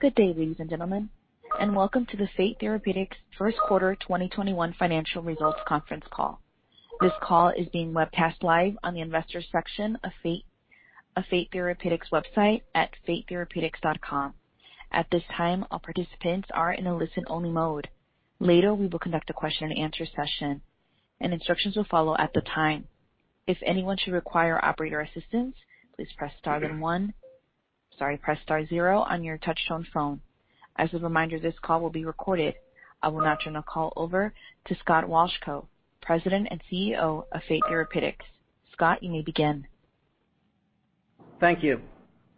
Good day, ladies and gentlemen, and welcome to the Fate Therapeutics first quarter 2021 financial results conference call. This call is being webcast live on the investors section of Fate Therapeutics website at fatetherapeutics.com. At this time, all participants are in a listen-only mode. Later, we will conduct a question-and-answer session, and instructions will follow at the time. If anyone should require operator assistance, please press star then one. Sorry, press star zero on your touch-tone phone. As a reminder, this call will be recorded. I will now turn the call over to Scott Wolchko, President and CEO of Fate Therapeutics. Scott, you may begin. Thank you.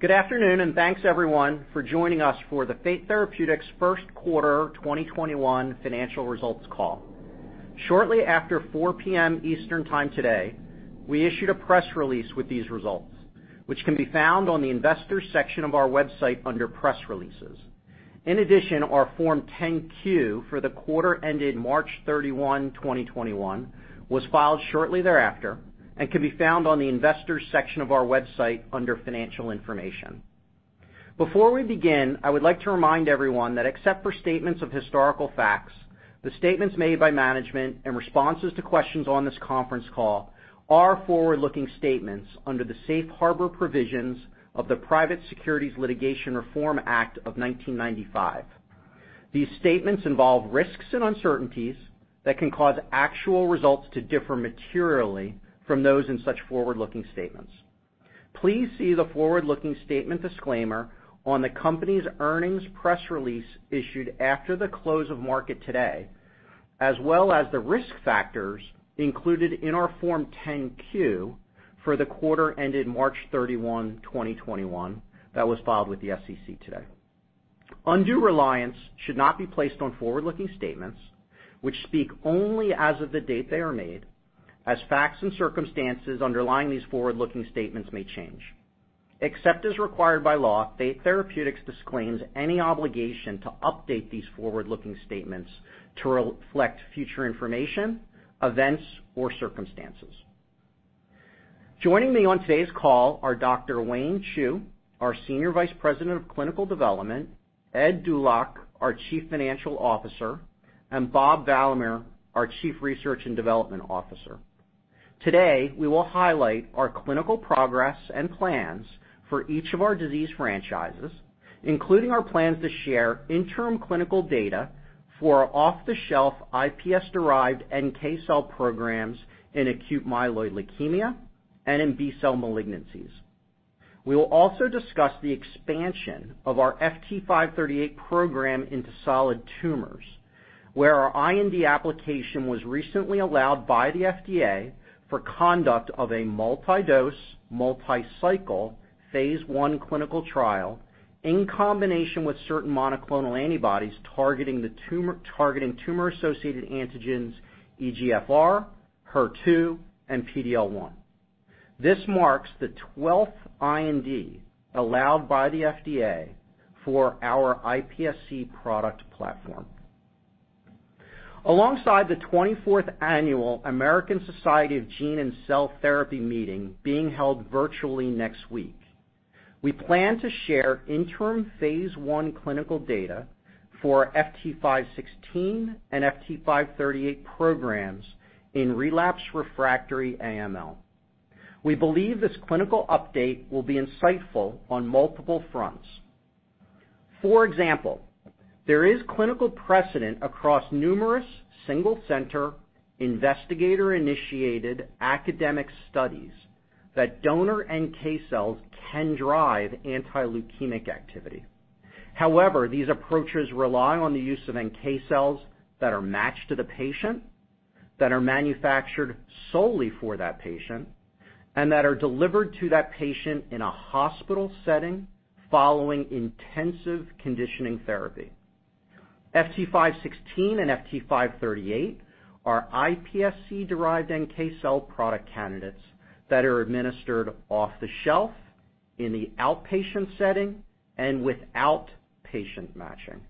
Good afternoon. Thanks everyone for joining us for the Fate Therapeutics first quarter 2021 financial results call. Shortly after 4:00 P.M. Eastern Time today, we issued a press release with these results, which can be found on the investors section of our website under Press Releases. In addition, our Form 10-Q for the quarter ended March 31, 2021, was filed shortly thereafter and can be found on the investors section of our website under Financial Information. Before we begin, I would like to remind everyone that except for statements of historical facts, the statements made by management and responses to questions on this conference call are forward-looking statements under the safe harbor provisions of the Private Securities Litigation Reform Act of 1995. These statements involve risks and uncertainties that can cause actual results to differ materially from those in such forward-looking statements. Please see the forward-looking statement disclaimer on the company's earnings press release issued after the close of market today, as well as the risk factors included in our Form 10-Q for the quarter ended March 31, 2021, that was filed with the SEC today. Undue reliance should not be placed on forward-looking statements, which speak only as of the date they are made, as facts and circumstances underlying these forward-looking statements may change. Except as required by law, Fate Therapeutics disclaims any obligation to update these forward-looking statements to reflect future information, events, or circumstances. Joining me on today's call are Dr. Wayne Chu, our Senior Vice President of Clinical Development, Ed Dulac, our Chief Financial Officer, and Bob Valamehr, our Chief Research and Development Officer. Today, we will highlight our clinical progress and plans for each of our disease franchises, including our plans to share interim clinical data for off-the-shelf iPS-derived NK cell programs in acute myeloid leukemia and in B-cell malignancies. We will also discuss the expansion of our FT538 program into solid tumors, where our IND application was recently allowed by the FDA for conduct of a multi-dose, multi-cycle phase I clinical trial in combination with certain monoclonal antibodies targeting tumor-associated antigens EGFR, HER2, and PD-L1. This marks the 12th IND allowed by the FDA for our iPSC product platform. Alongside the 24th Annual American Society of Gene & Cell Therapy Meeting being held virtually next week, we plan to share interim phase I clinical data for FT516 and FT538 programs in relapse refractory AML. We believe this clinical update will be insightful on multiple fronts. For example, there is clinical precedent across numerous single-center investigator-initiated academic studies that donor NK cells can drive anti-leukemic activity. However, these approaches rely on the use of NK cells that are matched to the patient, that are manufactured solely for that patient, and that are delivered to that patient in a hospital setting following intensive conditioning therapy. FT516 and FT538 are iPSC-derived NK cell product candidates that are administered off-the-shelf in the outpatient setting and without patient matching.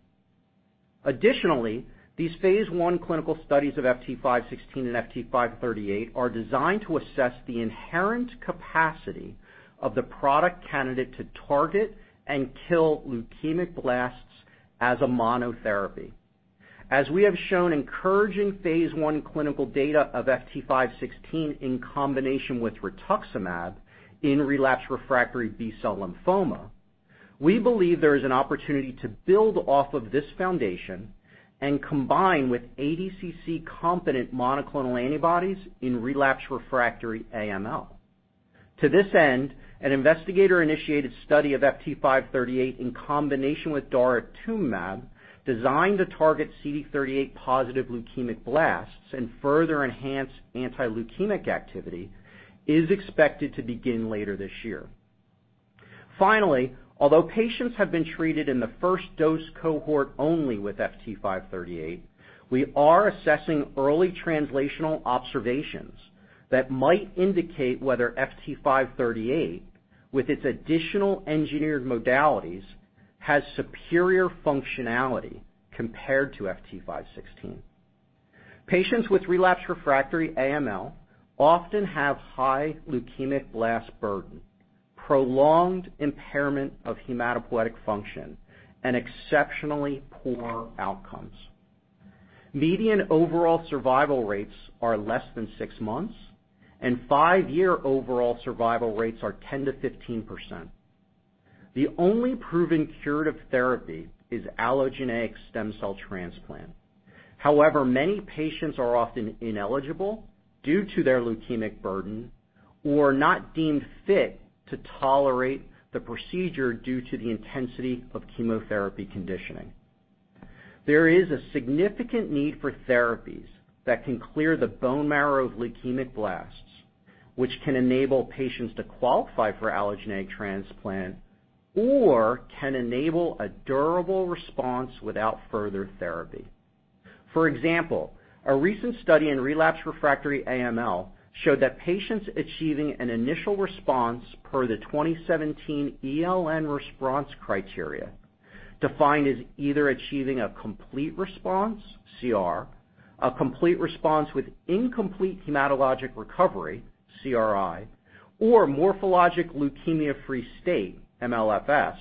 Additionally, these phase I clinical studies of FT516 and FT538 are designed to assess the inherent capacity of the product candidate to target and kill leukemic blasts as a monotherapy. As we have shown encouraging phase I clinical data of FT516 in combination with rituximab in relapse refractory B-cell lymphoma, we believe there is an opportunity to build off of this foundation and combine with ADCC-competent monoclonal antibodies in relapse refractory AML. To this end, an investigator-initiated study of FT538 in combination with daratumumab, designed to target CD38-positive leukemic blasts and further enhance anti-leukemic activity, is expected to begin later this year. Finally, although patients have been treated in the first dose cohort only with FT538, we are assessing early translational observations that might indicate whether FT538, with its additional engineered modalities, has superior functionality compared to FT516. Patients with relapsed refractory AML often have high leukemic blast burden, prolonged impairment of hematopoietic function, and exceptionally poor outcomes. Median overall survival rates are less than six months, and five-year overall survival rates are 10%-15%. The only proven curative therapy is allogeneic stem cell transplant. However, many patients are often ineligible due to their leukemic burden or not deemed fit to tolerate the procedure due to the intensity of chemotherapy conditioning. There is a significant need for therapies that can clear the bone marrow of leukemic blasts, which can enable patients to qualify for allogeneic transplant or can enable a durable response without further therapy. For example, a recent study in relapsed refractory AML showed that patients achieving an initial response per the 2017 ELN response criteria, defined as either achieving a complete response, CR, a complete response with incomplete hematologic recovery, CRi, or morphologic leukemia-free state, MLFS,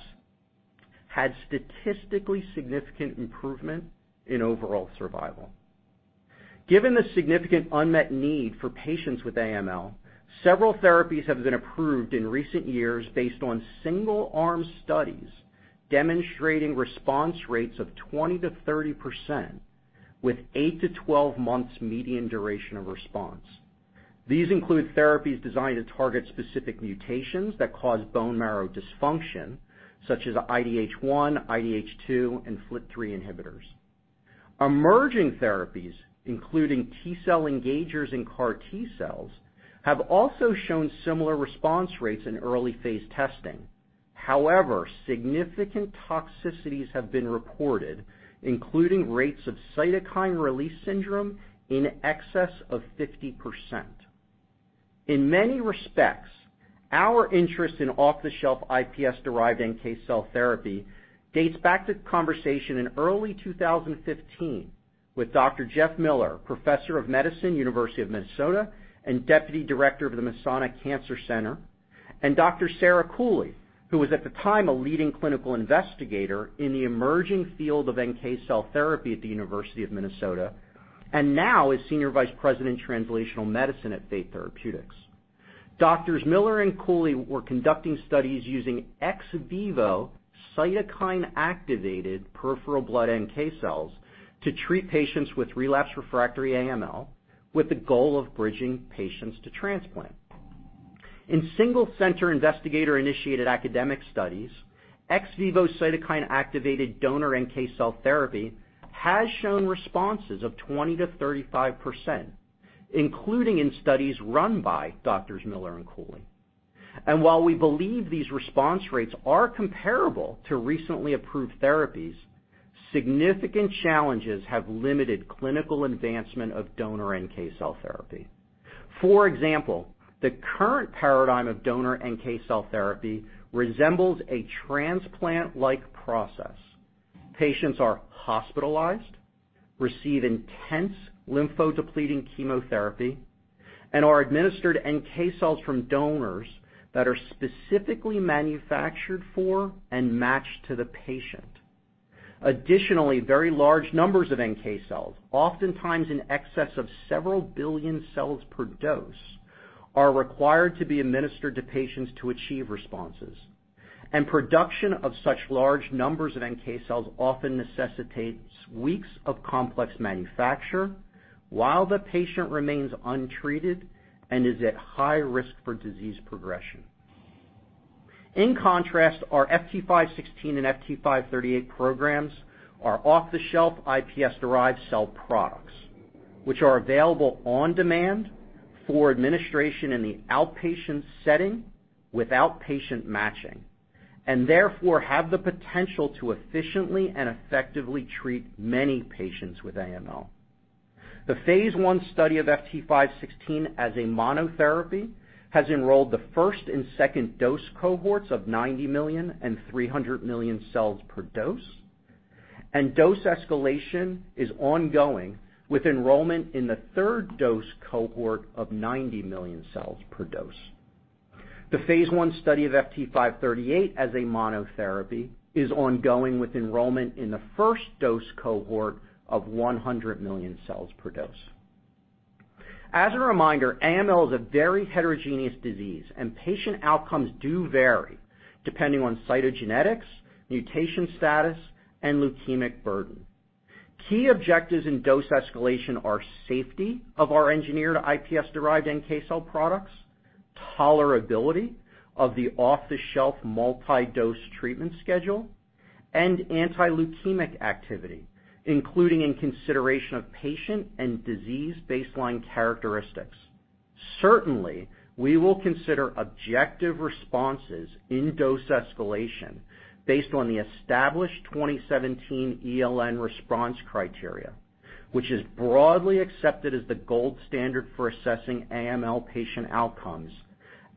had statistically significant improvement in overall survival. Given the significant unmet need for patients with AML, several therapies have been approved in recent years based on single-arm studies demonstrating response rates of 20%-30% with 8-12 months median duration of response. These include therapies designed to target specific mutations that cause bone marrow dysfunction, such as IDH1, IDH2, and FLT3 inhibitors. Emerging therapies, including T-cell engagers and CAR T-cells, have also shown similar response rates in early phase testing. However, significant toxicities have been reported, including rates of cytokine release syndrome in excess of 50%. In many respects, our interest in off-the-shelf iPS-derived NK cell therapy dates back to conversation in early 2015 with Dr. Jeff Miller, Professor of Medicine, University of Minnesota, and Deputy Director of the Masonic Cancer Center, and Dr. Sarah Cooley, who was at the time a leading clinical investigator in the emerging field of NK cell therapy at the University of Minnesota, and now is Senior Vice President, Translational Medicine at Fate Therapeutics. Doctors Miller and Cooley were conducting studies using ex vivo cytokine-activated peripheral blood NK cells to treat patients with relapsed refractory AML with the goal of bridging patients to transplant. In single-center investigator-initiated academic studies, ex vivo cytokine-activated donor NK cell therapy has shown responses of 20%-35%, including in studies run by Doctors Miller and Cooley. While we believe these response rates are comparable to recently approved therapies, significant challenges have limited clinical advancement of donor NK cell therapy. For example, the current paradigm of donor NK cell therapy resembles a transplant-like process. Patients are hospitalized, receive intense lympho-depleting chemotherapy, and are administered NK cells from donors that are specifically manufactured for and matched to the patient. Additionally, very large numbers of NK cells, oftentimes in excess of several billion cells per dose, are required to be administered to patients to achieve responses, and production of such large numbers of NK cells often necessitates weeks of complex manufacture while the patient remains untreated and is at high risk for disease progression. In contrast, our FT516 and FT538 programs are off-the-shelf iPS-derived cell products, which are available on demand for administration in the outpatient setting without patient matching, and therefore have the potential to efficiently and effectively treat many patients with AML. The phase I study of FT516 as a monotherapy has enrolled the first and second dose cohorts of 90 million and 300 million cells per dose, and dose escalation is ongoing with enrollment in the third dose cohort of 90 million cells per dose. The phase I study of FT538 as a monotherapy is ongoing with enrollment in the first dose cohort of 100 million cells per dose. As a reminder, AML is a very heterogeneous disease, and patient outcomes do vary depending on cytogenetics, mutation status, and leukemic burden. Key objectives in dose escalation are safety of our engineered iPS-derived NK cell products, tolerability of the off-the-shelf multi-dose treatment schedule, and anti-leukemic activity, including in consideration of patient and disease baseline characteristics. Certainly, we will consider objective responses in dose escalation based on the established 2017 ELN response criteria, which is broadly accepted as the gold standard for assessing AML patient outcomes.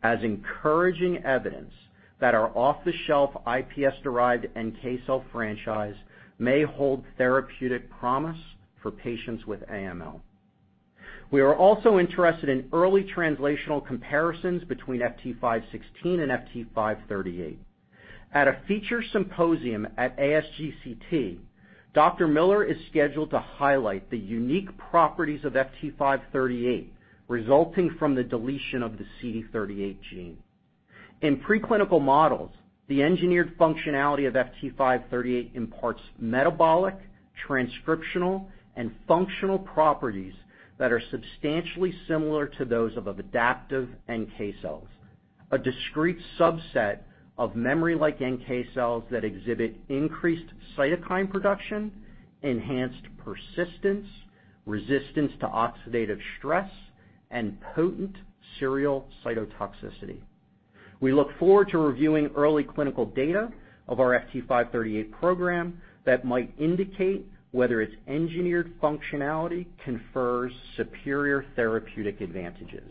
As encouraging evidence that our off-the-shelf iPS-derived NK cell franchise may hold therapeutic promise for patients with AML. We are also interested in early translational comparisons between FT516 and FT538. At a feature symposium at ASGCT, Dr. Miller is scheduled to highlight the unique properties of FT538 resulting from the deletion of the CD38 gene. In preclinical models, the engineered functionality of FT538 imparts metabolic, transcriptional, and functional properties that are substantially similar to those of adaptive NK cells, a discrete subset of memory-like NK cells that exhibit increased cytokine production, enhanced persistence, resistance to oxidative stress, and potent serial cytotoxicity. We look forward to reviewing early clinical data of our FT538 program that might indicate whether its engineered functionality confers superior therapeutic advantages.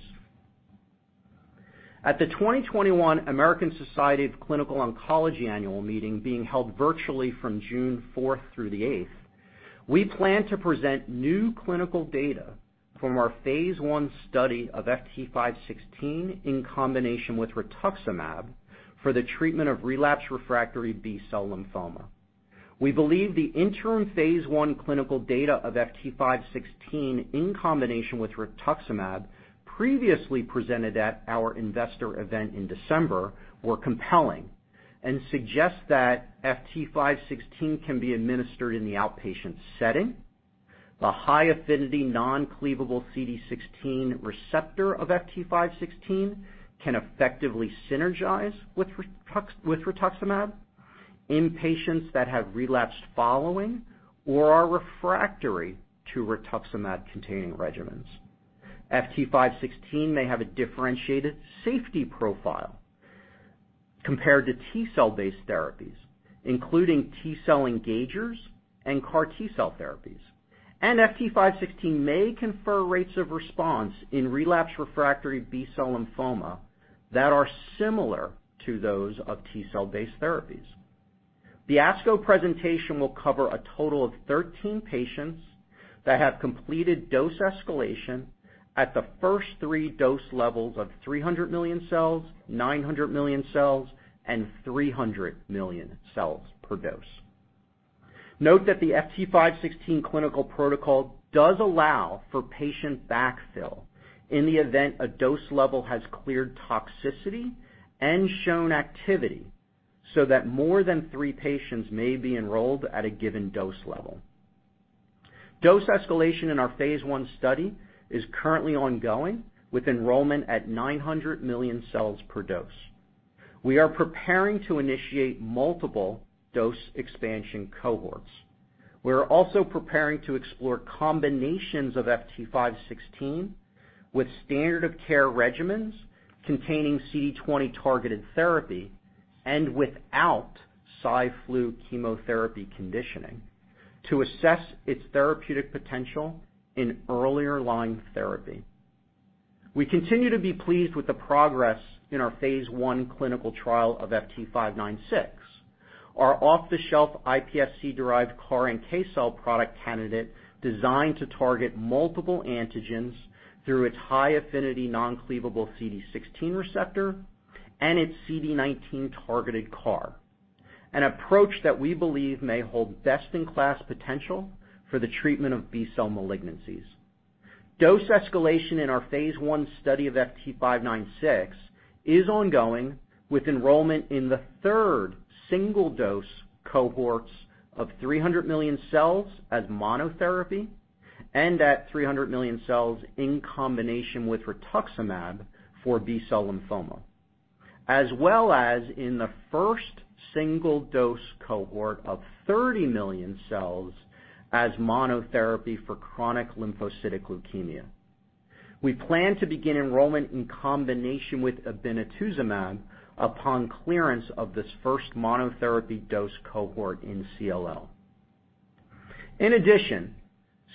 At the 2021 American Society of Clinical Oncology Annual Meeting being held virtually from June 4th through the 8th, we plan to present new clinical data from our phase I study of FT516 in combination with rituximab for the treatment of relapse refractory B-cell lymphoma. We believe the interim phase I clinical data of FT516 in combination with rituximab previously presented at our investor event in December were compelling and suggest that FT516 can be administered in the outpatient setting. The high-affinity non-cleavable CD16 receptor of FT516 can effectively synergize with rituximab in patients that have relapsed following or are refractory to rituximab-containing regimens. FT516 may have a differentiated safety profile compared to T-cell based therapies, including T-cell engagers and CAR T-cell therapies. FT516 may confer rates of response in relapse refractory B-cell lymphoma that are similar to those of T-cell based therapies. The ASCO presentation will cover a total of 13 patients that have completed dose escalation at the first three dose levels of 300 million cells, 900 million cells, and 300 million cells per dose. Note that the FT516 clinical protocol does allow for patient backfill in the event a dose level has cleared toxicity and shown activity so that more than three patients may be enrolled at a given dose level. Dose escalation in our phase I study is currently ongoing with enrollment at 900 million cells per dose. We are preparing to initiate multiple dose expansion cohorts. We are also preparing to explore combinations of FT516 with standard-of-care regimens containing CD20-targeted therapy and without Cy/Flu chemotherapy conditioning to assess its therapeutic potential in earlier line therapy. We continue to be pleased with the progress in our phase I clinical trial of FT596, our off-the-shelf iPSC-derived CAR NK cell product candidate designed to target multiple antigens through its high affinity non-cleavable CD16 receptor and its CD19-targeted CAR, an approach that we believe may hold best-in-class potential for the treatment of B-cell malignancies. Dose escalation in our phase I study of FT596 is ongoing, with enrollment in the third single-dose cohorts of 300 million cells as monotherapy and at 300 million cells in combination with rituximab for B-cell lymphoma, as well as in the first single-dose cohort of 30 million cells as monotherapy for chronic lymphocytic leukemia. We plan to begin enrollment in combination with obinutuzumab upon clearance of this first monotherapy dose cohort in CLL. In addition,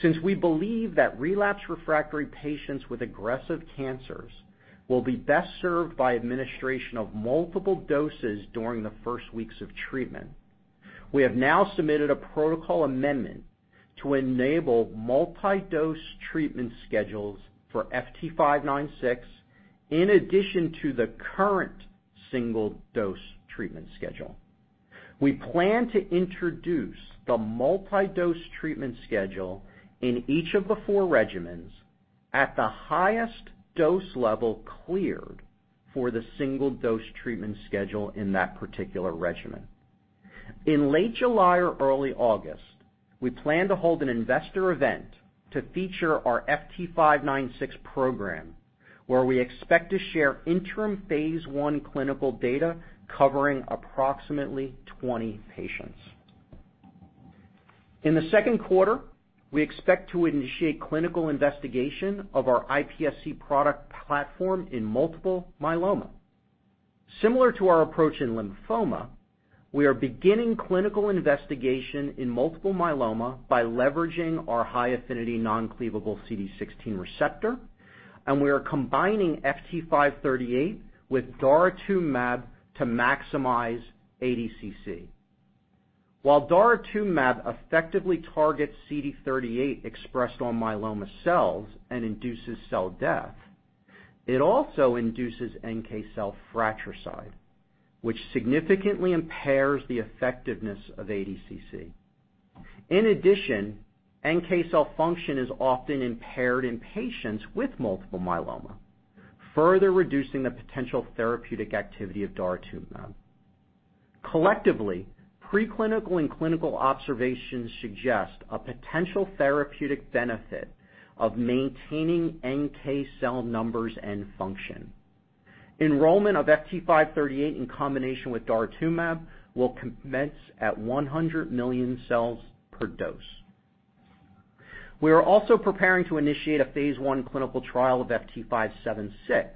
since we believe that relapse refractory patients with aggressive cancers will be best served by administration of multiple doses during the first weeks of treatment, we have now submitted a protocol amendment to enable multi-dose treatment schedules for FT596 in addition to the current single-dose treatment schedule. We plan to introduce the multi-dose treatment schedule in each of the four regimens at the highest dose level cleared for the single-dose treatment schedule in that particular regimen. In late July or early August, we plan to hold an investor event to feature our FT596 program, where we expect to share interim phase I clinical data covering approximately 20 patients. In the second quarter, we expect to initiate clinical investigation of our iPSC product platform in multiple myeloma. Similar to our approach in lymphoma, we are beginning clinical investigation in multiple myeloma by leveraging our high-affinity non-cleavable CD16 receptor, and we are combining FT538 with daratumumab to maximize ADCC. While daratumumab effectively targets CD38 expressed on myeloma cells and induces cell death, it also induces NK cell fratricide, which significantly impairs the effectiveness of ADCC. In addition, NK cell function is often impaired in patients with multiple myeloma, further reducing the potential therapeutic activity of daratumumab. Collectively, preclinical and clinical observations suggest a potential therapeutic benefit of maintaining NK cell numbers and function. Enrollment of FT538 in combination with daratumumab will commence at 100 million cells per dose. We are also preparing to initiate a phase I clinical trial of FT576,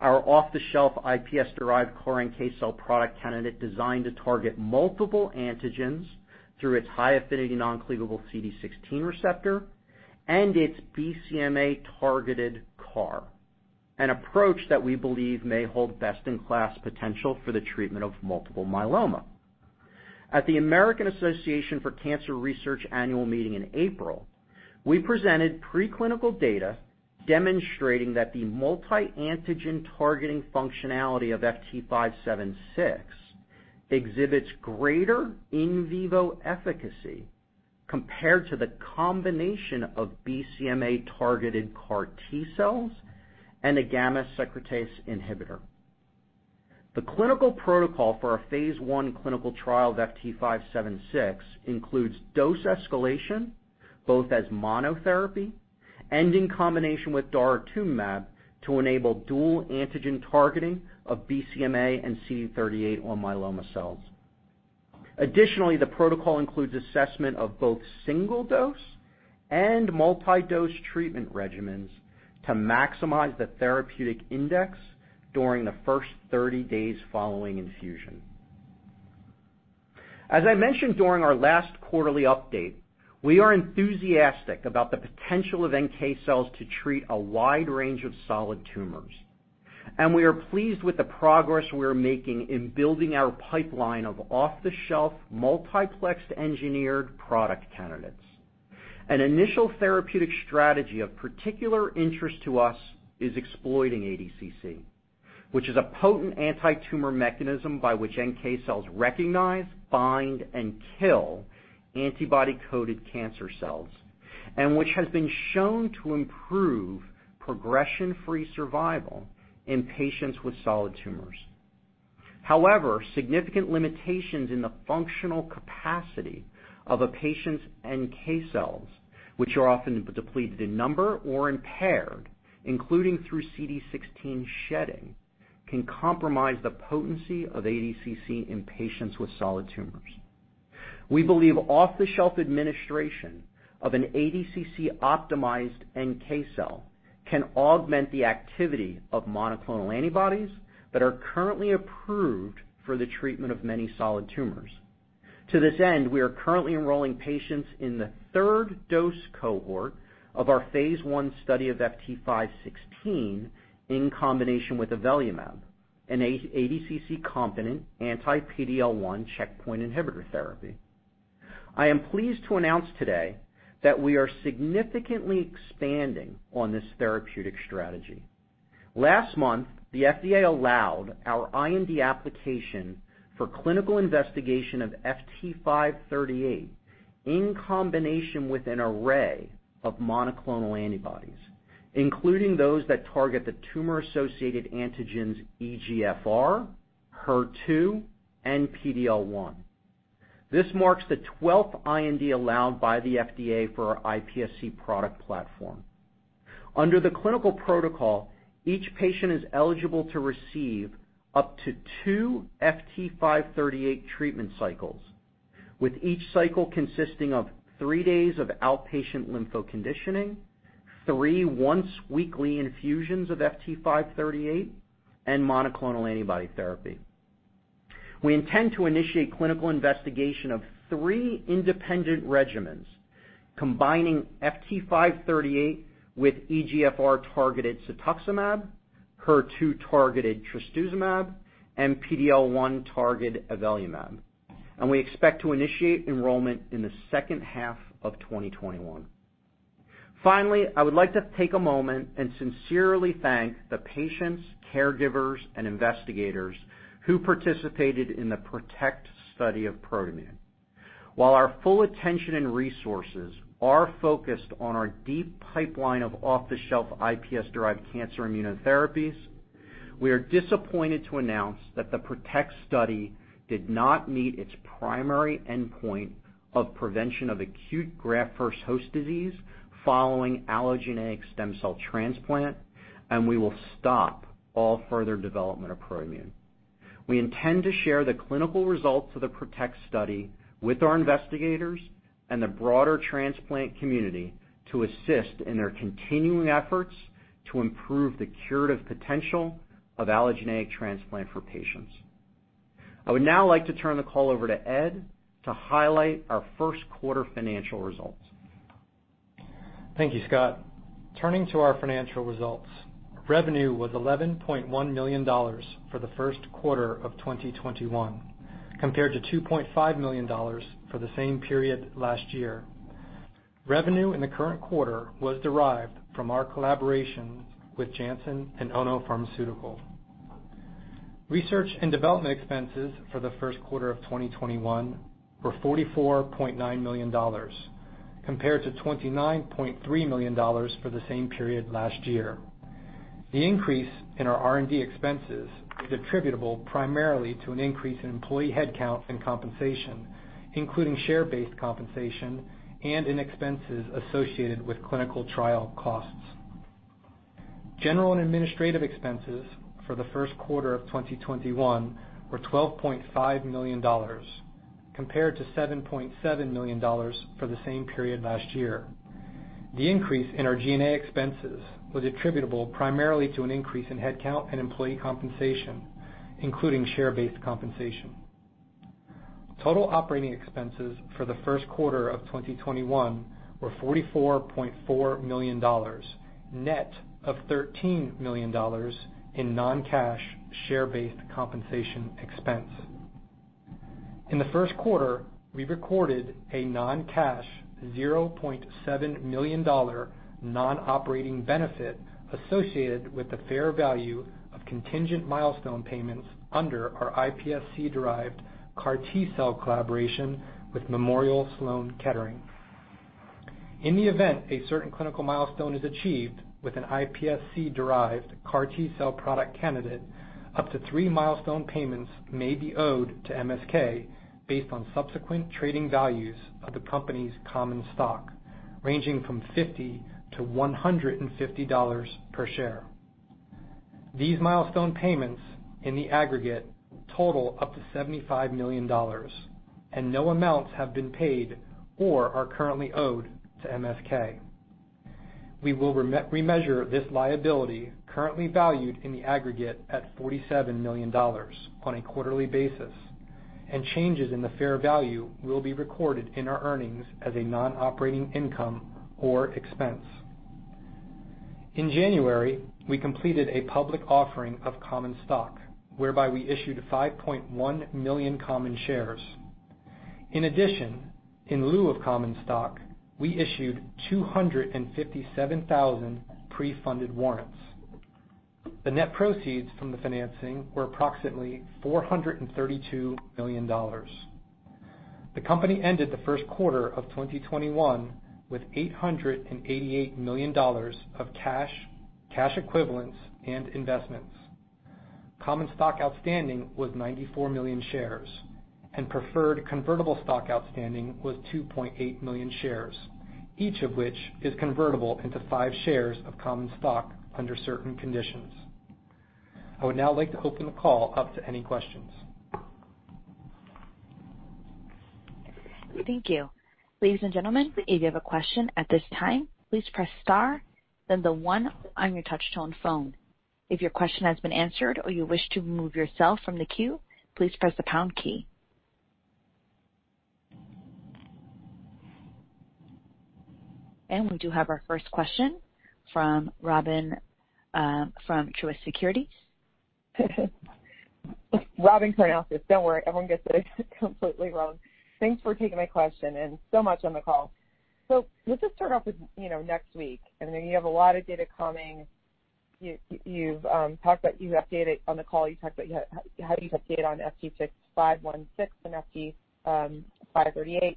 our off-the-shelf iPS-derived CAR NK cell product candidate designed to target multiple antigens through its high-affinity non-cleavable CD16 receptor and its BCMA-targeted CAR, an approach that we believe may hold best-in-class potential for the treatment of multiple myeloma. At the American Association for Cancer Research Annual Meeting in April, we presented preclinical data demonstrating that the multi-antigen targeting functionality of FT576 exhibits greater in vivo efficacy compared to the combination of BCMA-targeted CAR T-cells and a gamma-secretase inhibitor. The clinical protocol for our phase I clinical trial of FT576 includes dose escalation, both as monotherapy and in combination with daratumumab, to enable dual antigen targeting of BCMA and CD38 on myeloma cells. Additionally, the protocol includes assessment of both single-dose and multi-dose treatment regimens to maximize the therapeutic index during the first 30 days following infusion. As I mentioned during our last quarterly update, we are enthusiastic about the potential of NK cells to treat a wide range of solid tumors, and we are pleased with the progress we are making in building our pipeline of off-the-shelf multiplex-engineered product candidates. An initial therapeutic strategy of particular interest to us is exploiting ADCC, which is a potent anti-tumor mechanism by which NK cells recognize, bind, and kill antibody-coated cancer cells, and which has been shown to improve progression-free survival in patients with solid tumors. However, significant limitations in the functional capacity of a patient's NK cells, which are often depleted in number or impaired, including through CD16 shedding, can compromise the potency of ADCC in patients with solid tumors. We believe off-the-shelf administration of an ADCC-optimized NK cell can augment the activity of monoclonal antibodies that are currently approved for the treatment of many solid tumors. To this end, we are currently enrolling patients in the third dose cohort of our phase I study of FT516 in combination with avelumab, an ADCC-competent anti-PD-L1 checkpoint inhibitor therapy. I am pleased to announce today that we are significantly expanding on this therapeutic strategy. Last month, the FDA allowed our IND application for clinical investigation of FT538 in combination with an array of monoclonal antibodies, including those that target the tumor-associated antigens EGFR, HER2, and PD-L1. This marks the 12th IND allowed by the FDA for our iPSC product platform. Under the clinical protocol, each patient is eligible to receive up to two FT538 treatment cycles, with each cycle consisting of three days of outpatient lympho-conditioning, three once-weekly infusions of FT538, and monoclonal antibody therapy. We intend to initiate clinical investigation of three independent regimens, combining FT538 with EGFR-targeted cetuximab, HER2-targeted trastuzumab, and PD-L1-targeted avelumab, and we expect to initiate enrollment in the second half of 2021. Finally, I would like to take a moment and sincerely thank the patients, caregivers, and investigators who participated in the PROTECT study of ProTmune. While our full attention and resources are focused on our deep pipeline of off-the-shelf iPS-derived cancer immunotherapies, we are disappointed to announce that the PROTECT study did not meet its primary endpoint of prevention of acute graft-versus-host disease following allogeneic stem cell transplant, and we will stop all further development of ProTmune. We intend to share the clinical results of the PROTECT study with our investigators and the broader transplant community to assist in their continuing efforts to improve the curative potential of allogeneic transplant for patients. I would now like to turn the call over to Ed to highlight our first quarter financial results. Thank you, Scott. Turning to our financial results, revenue was $11.1 million for the first quarter of 2021, compared to $2.5 million for the same period last year. Revenue in the current quarter was derived from our collaborations with Janssen and Ono Pharmaceutical. Research and development expenses for the first quarter of 2021 were $44.9 million, compared to $29.3 million for the same period last year. The increase in our R&D expenses is attributable primarily to an increase in employee headcount and compensation, including share-based compensation, and in expenses associated with clinical trial costs. General and administrative expenses for the first quarter of 2021 were $12.5 million, compared to $7.7 million for the same period last year. The increase in our G&A expenses was attributable primarily to an increase in headcount and employee compensation, including share-based compensation. Total operating expenses for the first quarter of 2021 were $44.4 million, net of $13 million in non-cash share-based compensation expense. In the first quarter, we recorded a non-cash $0.7 million non-operating benefit associated with the fair value of contingent milestone payments under our iPSC-derived CAR T-cell collaboration with Memorial Sloan Kettering. In the event a certain clinical milestone is achieved with an iPSC-derived CAR T-cell product candidate, up to three milestone payments may be owed to MSK based on subsequent trading values of the company's common stock, ranging from $50-$150 per share. These milestone payments, in the aggregate, total up to $75 million, and no amounts have been paid or are currently owed to MSK. We will remeasure this liability, currently valued in the aggregate at $47 million, on a quarterly basis, and changes in the fair value will be recorded in our earnings as a non-operating income or expense. In January, we completed a public offering of common stock, whereby we issued 5.1 million common shares. In addition, in lieu of common stock, we issued 257,000 pre-funded warrants. The net proceeds from the financing were approximately $432 million. The company ended the first quarter of 2021 with $888 million of cash, cash equivalents, and investments. Common stock outstanding was 94 million shares, and preferred convertible stock outstanding was 2.8 million shares, each of which is convertible into five shares of common stock under certain conditions. I would now like to open the call up to any questions. Thank you. Ladies and gentlemen, if you have a question at this time, please press star then one on your touch-tone phone. If your question has been answered or you wish to remove yourself from the queue, please press the pound key. We do have our first question from Robyn from Truist Securities. Robyn Karnauskas. Don't worry, everyone gets it completely wrong. Thanks for taking my question, and so much on the call. Let's just start off with next week. I know you have a lot of data coming. On the call, you talked about how you have data on FT516 and FT538.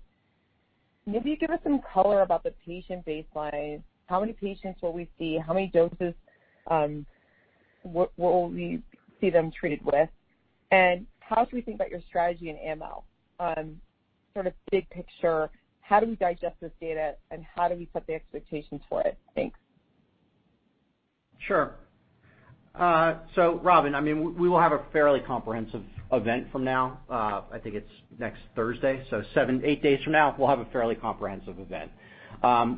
Maybe give us some color about the patient baseline. How many patients will we see? How many doses will we see them treated with? How should we think about your strategy in AML? Sort of big picture, how do we digest this data, and how do we set the expectations for it? Thanks. Sure. Robyn, we will have a fairly comprehensive event from now. I think it's next Thursday, seven, eight days from now, we'll have a fairly comprehensive event.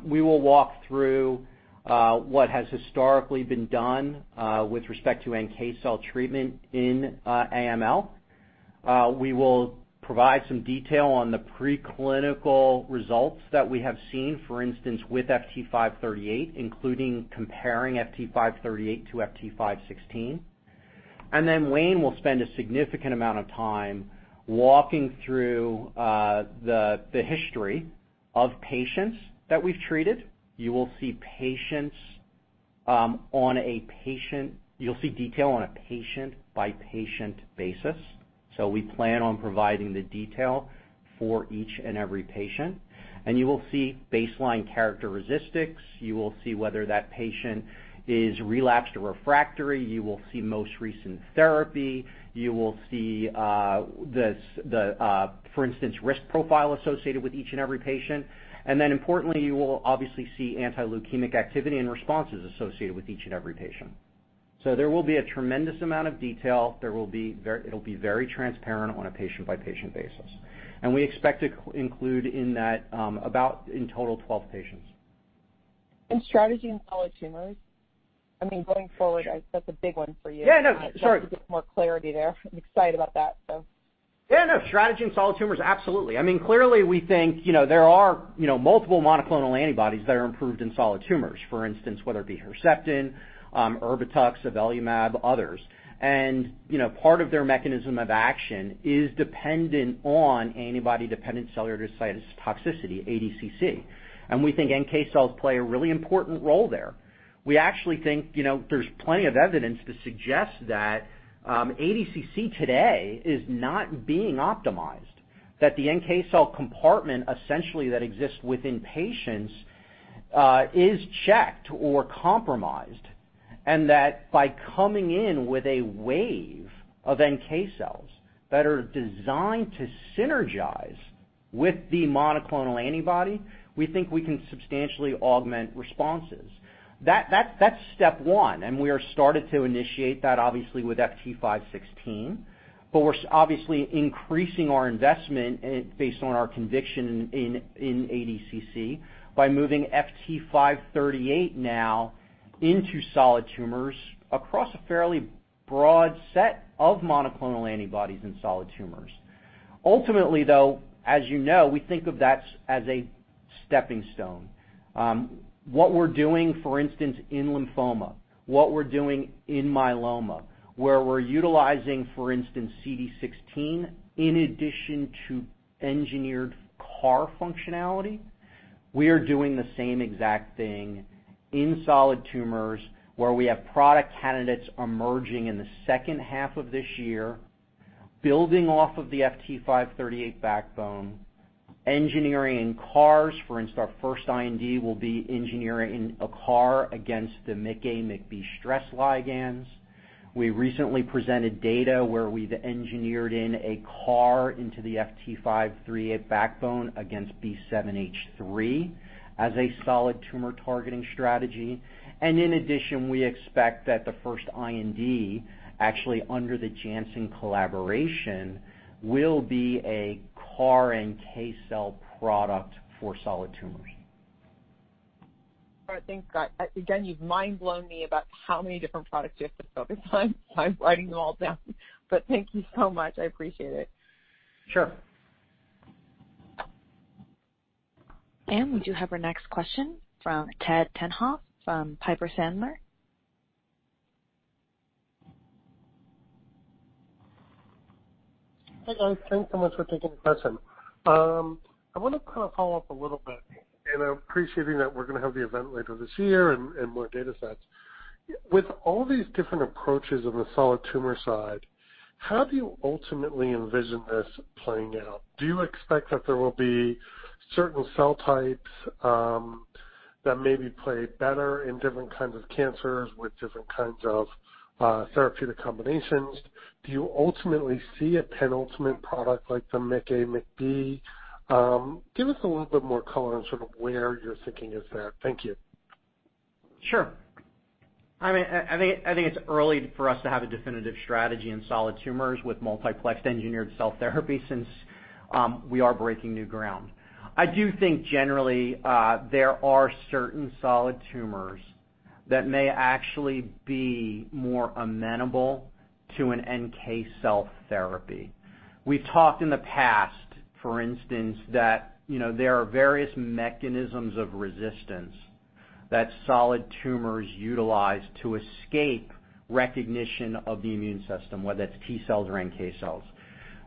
We will walk through what has historically been done with respect to NK cell treatment in AML. We will provide some detail on the preclinical results that we have seen, for instance, with FT538, including comparing FT538 to FT516. Then Wayne will spend a significant amount of time walking through the history of patients that we've treated. You will see detail on a patient-by-patient basis. We plan on providing the detail for each and every patient, and you will see baseline characteristics. You will see whether that patient is relapsed or refractory. You will see most recent therapy. You will see the, for instance, risk profile associated with each and every patient. Importantly, you will obviously see anti-leukemic activity and responses associated with each and every patient. So there will be a tremendous amount of detail. It'll be very transparent on a patient-by-patient basis. We expect to include in that about, in total, 12 patients. Strategy in solid tumors, going forward, that's a big one for you. Yeah, no. Sure. To get more clarity there. I'm excited about that, so. Yeah, no. Strategy in solid tumors, absolutely. Clearly, we think there are multiple monoclonal antibodies that are improved in solid tumors, for instance, whether it be Herceptin, Erbitux, avelumab, others. Part of their mechanism of action is dependent on antibody-dependent cellular cytotoxicity, ADCC. We think NK cells play a really important role there. We actually think there's plenty of evidence to suggest that ADCC today is not being optimized, that the NK cell compartment essentially that exists within patients is checked or compromised, and that by coming in with a wave of NK cells that are designed to synergize with the monoclonal antibody, we think we can substantially augment responses. That's step one, and we are started to initiate that, obviously, with FT516. We're obviously increasing our investment based on our conviction in ADCC by moving FT538 now into solid tumors across a fairly broad set of monoclonal antibodies in solid tumors. Ultimately, though, as you know, we think of that as a stepping stone. What we're doing, for instance, in lymphoma, what we're doing in myeloma, where we're utilizing, for instance, CD16, in addition to engineered CAR functionality, we are doing the same exact thing in solid tumors where we have product candidates emerging in the second half of this year, building off of the FT538 backbone, engineering CARs. For instance, our first IND will be engineering a CAR against the MICA/MICB stress ligands. We recently presented data where we've engineered in a CAR into the FT538 backbone against B7-H3 as a solid tumor targeting strategy. In addition, we expect that the first IND, actually under the Janssen collaboration, will be a CAR NK cell product for solid tumors. All right, thanks, Scott. Again, you've mind-blown me about how many different products you have to focus on, so I'm writing them all down. Thank you so much. I appreciate it. Sure. We do have our next question from Ted Tenthoff from Piper Sandler. Hi, guys. Thanks so much for taking the question. I want to kind of follow up a little bit, and I'm appreciating that we're going to have the event later this year and more data sets. With all these different approaches on the solid tumor side, how do you ultimately envision this playing out? Do you expect that there will be certain cell types that maybe play better in different kinds of cancers with different kinds of therapeutic combinations? Do you ultimately see a penultimate product like the MICA/MICB? Give us a little bit more color on sort of where your thinking is there. Thank you. Sure. I think it's early for us to have a definitive strategy in solid tumors with multiplexed engineered cell therapy since we are breaking new ground. I do think generally there are certain solid tumors that may actually be more amenable to an NK cell therapy. We've talked in the past, for instance, that there are various mechanisms of resistance that solid tumors utilize to escape recognition of the immune system, whether it's T cells or NK cells.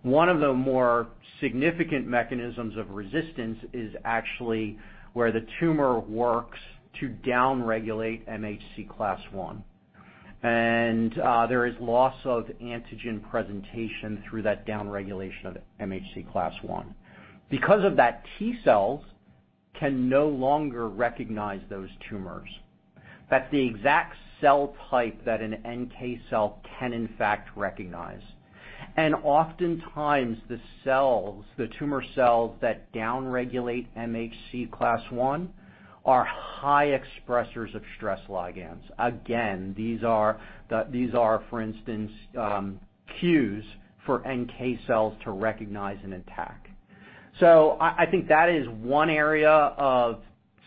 One of the more significant mechanisms of resistance is actually where the tumor works to downregulate MHC class I, and there is loss of antigen presentation through that downregulation of MHC class I. Because of that, T cells can no longer recognize those tumors. That's the exact cell type that an NK cell can in fact recognize. Oftentimes the tumor cells that downregulate MHC class I are high expressors of stress ligands. Again, these are, for instance, cues for NK cells to recognize and attack. I think that is one area of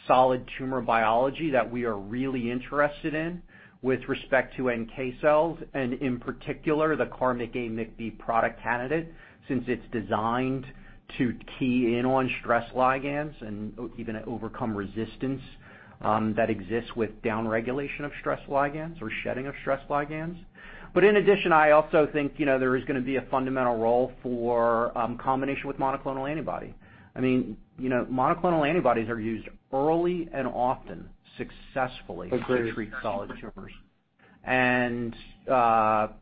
solid tumor biology that we are really interested in with respect to NK cells, and in particular, the CAR MICA/MICB product candidate, since it's designed to key in on stress ligands and even overcome resistance that exists with downregulation of stress ligands or shedding of stress ligands. In addition, I also think there is going to be a fundamental role for combination with monoclonal antibody. Monoclonal antibodies are used early and often successfully to treat solid tumors. Agreed.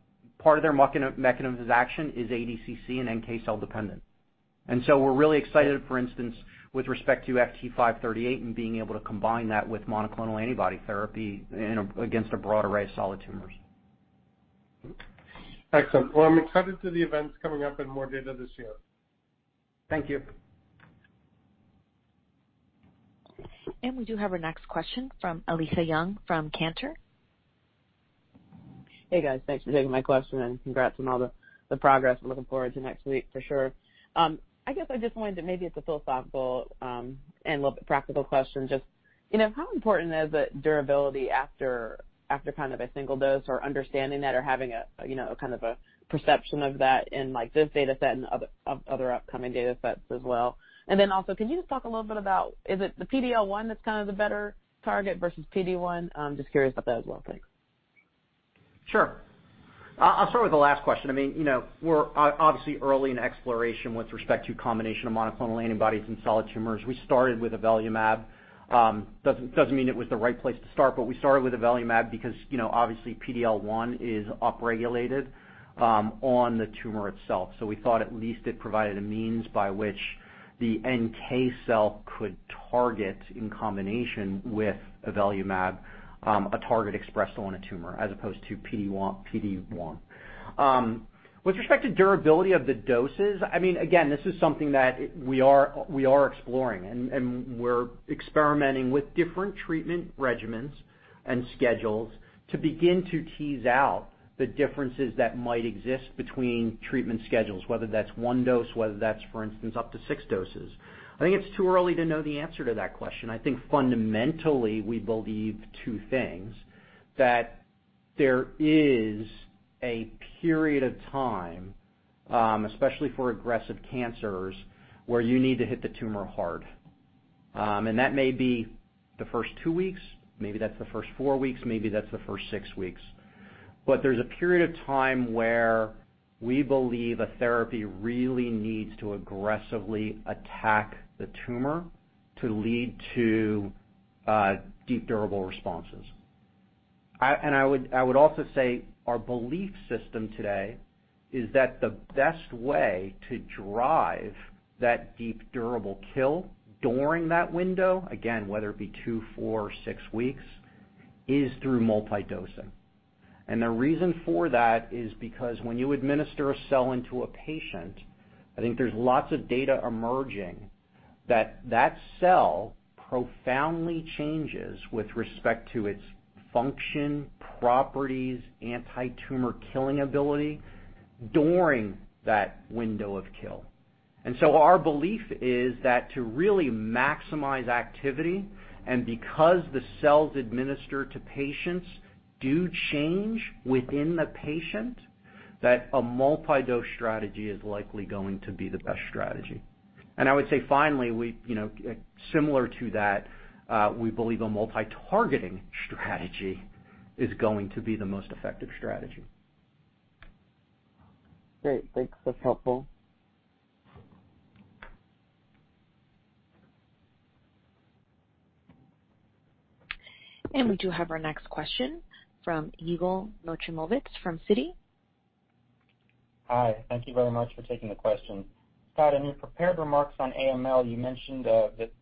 Part of their mechanism of action is ADCC and NK cell dependent. We're really excited, for instance, with respect to FT538 and being able to combine that with monoclonal antibody therapy against a broad array of solid tumors. Excellent. Well, I'm excited for the events coming up and more data this year. Thank you. We do have our next question from Alethia Young from Cantor. Hey, guys. Thanks for taking my question, and congrats on all the progress. I'm looking forward to next week for sure. I guess I just wondered, maybe it's a philosophical and little bit practical question, just how important is the durability after kind of a single dose or understanding that or having a kind of a perception of that in this data set and of other upcoming data sets as well? Also, can you just talk a little bit about, is it the PD-L1 that's kind of the better target versus PD-1? I'm just curious about that as well. Thanks. Sure. I'll start with the last question. We're obviously early in exploration with respect to combination of monoclonal antibodies and solid tumors. We started with avelumab. Doesn't mean it was the right place to start, but we started with avelumab because, obviously PD-L1 is upregulated on the tumor itself. We thought at least it provided a means by which the NK cell could target in combination with avelumab, a target expressed on a tumor as opposed to PD-1. With respect to durability of the doses, again, this is something that we are exploring, and we're experimenting with different treatment regimens and schedules to begin to tease out the differences that might exist between treatment schedules, whether that's one dose, whether that's, for instance, up to six doses. I think it's too early to know the answer to that question. I think fundamentally, we believe two things, that there is a period of time, especially for aggressive cancers, where you need to hit the tumor hard. That may be the first two weeks, maybe that's the first four weeks, maybe that's the first six weeks. There's a period of time where we believe a therapy really needs to aggressively attack the tumor to lead to deep durable responses. I would also say our belief system today is that the best way to drive that deep durable kill during that window, again, whether it be two, four, or six weeks, is through multi-dosing. The reason for that is because when you administer a cell into a patient, I think there's lots of data emerging that that cell profoundly changes with respect to its function, properties, anti-tumor killing ability during that window of kill. Our belief is that to really maximize activity, and because the cells administered to patients do change within the patient, that a multi-dose strategy is likely going to be the best strategy. I would say finally, similar to that, we believe a multi-targeting strategy is going to be the most effective strategy. Great. Thanks. That's helpful. We do have our next question from Yigal Nochomovitz from Citi. Hi. Thank you very much for taking the question. Scott, in your prepared remarks on AML, you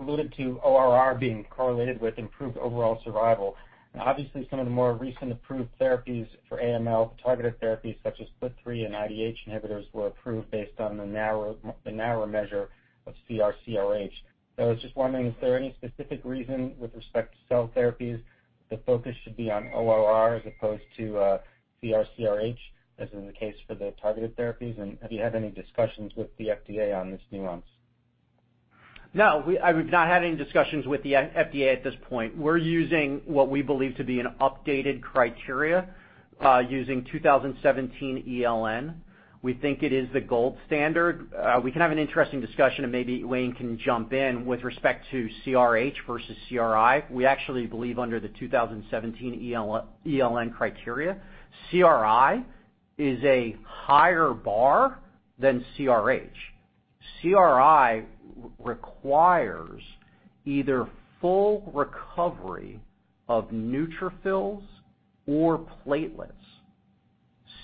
alluded to ORR being correlated with improved overall survival. Obviously some of the more recent approved therapies for AML, targeted therapies such as FLT3 and IDH inhibitors were approved based on the narrower measure of CR/CRh. I was just wondering, is there any specific reason with respect to cell therapies the focus should be on ORR as opposed to CR/CRh, as in the case for the targeted therapies? Have you had any discussions with the FDA on this nuance? No, we've not had any discussions with the FDA at this point. We're using what we believe to be an updated criteria, using 2017 ELN. We think it is the gold standard. We can have an interesting discussion, and maybe Wayne can jump in with respect to CRh versus CRi. We actually believe under the 2017 ELN criteria, CRi is a higher bar than CRh. CRi requires either full recovery of neutrophils or platelets.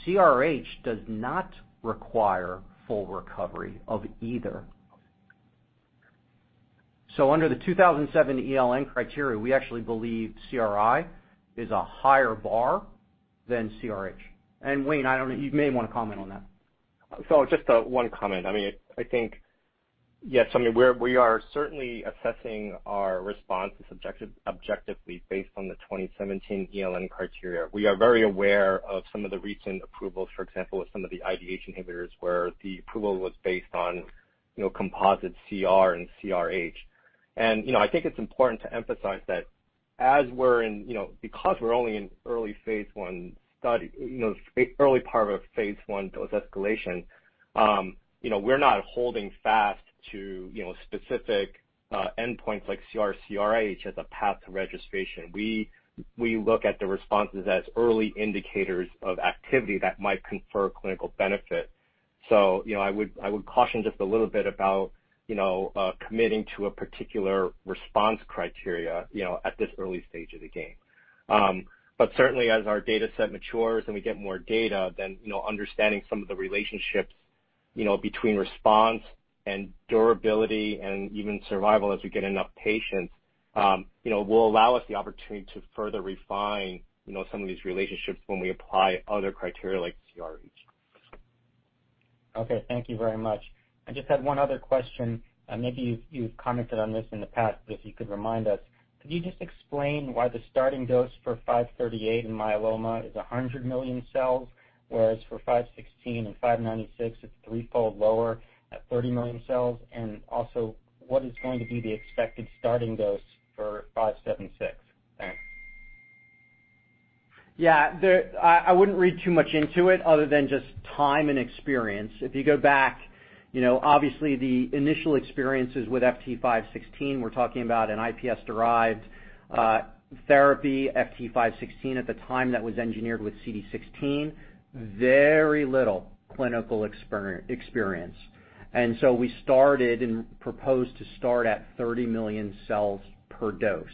CRh does not require full recovery of either. So under the 2007 ELN criteria, we actually believe CRi is a higher bar than CRh. Wayne, you may want to comment on that. Just one comment. I think, yes, we are certainly assessing our response objectively based on the 2017 ELN criteria. We are very aware of some of the recent approvals, for example, with some of the IDH inhibitors where the approval was based on composite CR and CRh. I think it's important to emphasize that because we're only in early part of a phase I dose escalation, we're not holding fast to specific endpoints like CR/CRh as a path to registration. We look at the responses as early indicators of activity that might confer clinical benefit. I would caution just a little bit about committing to a particular response criteria at this early stage of the game. Certainly as our data set matures and we get more data, then understanding some of the relationships between response and durability and even survival as we get enough patients will allow us the opportunity to further refine some of these relationships when we apply other criteria like CRh. Okay, thank you very much. I just had one other question. Maybe you've commented on this in the past, but if you could remind us, could you just explain why the starting dose for 538 in myeloma is 100 million cells, whereas for 516 and 596 it's threefold lower at 30 million cells? Also, what is going to be the expected starting dose for 576? Thanks. Yeah. I wouldn't read too much into it other than just time and experience. If you go back, obviously the initial experiences with FT516, we're talking about an iPS-derived therapy, FT516 at the time that was engineered with CD16, very little clinical experience. We started and proposed to start at 30 million cells per dose.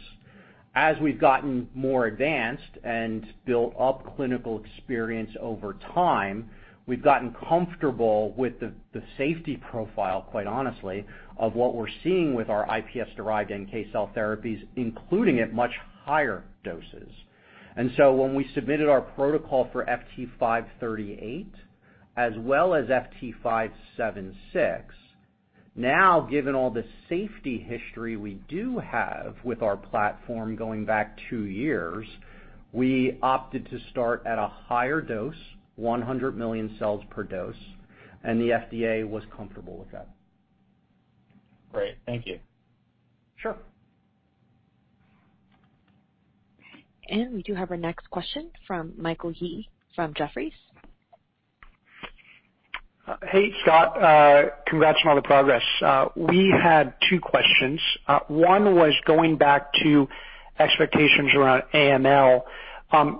As we've gotten more advanced and built up clinical experience over time, we've gotten comfortable with the safety profile, quite honestly, of what we're seeing with our iPS-derived NK cell therapies, including at much higher doses. When we submitted our protocol for FT538 as well as FT576, now given all the safety history we do have with our platform going back two years, we opted to start at a higher dose, 100 million cells per dose, and the FDA was comfortable with that. Great. Thank you. Sure. We do have our next question from Michael Yee from Jefferies. Hey, Scott. Congrats on all the progress. We had two questions. One was going back to expectations around AML.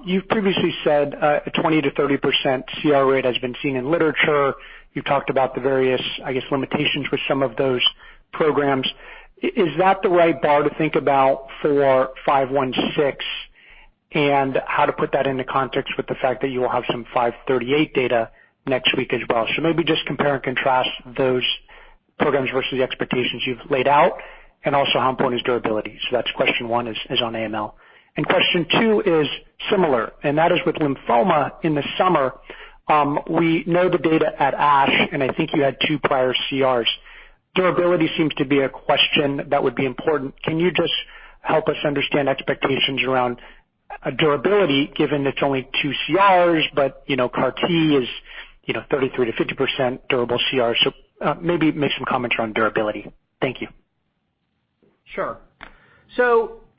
You've previously said a 20%-30% CRh has been seen in literature. You've talked about the various, I guess, limitations with some of those programs. Is that the right bar to think about for 516, and how to put that into context with the fact that you will have some 538 data next week as well? Maybe just compare and contrast those programs versus the expectations you've laid out, and also how important is durability? That's question one is on AML. Question two is similar, and that is with lymphoma in the summer. We know the data at ASH, and I think you had two prior CRs. Durability seems to be a question that would be important. Can you just help us understand expectations around durability given it's only two CRs, but CAR T is 33%-50% durable CRs? Maybe make some comments around durability. Thank you. Sure.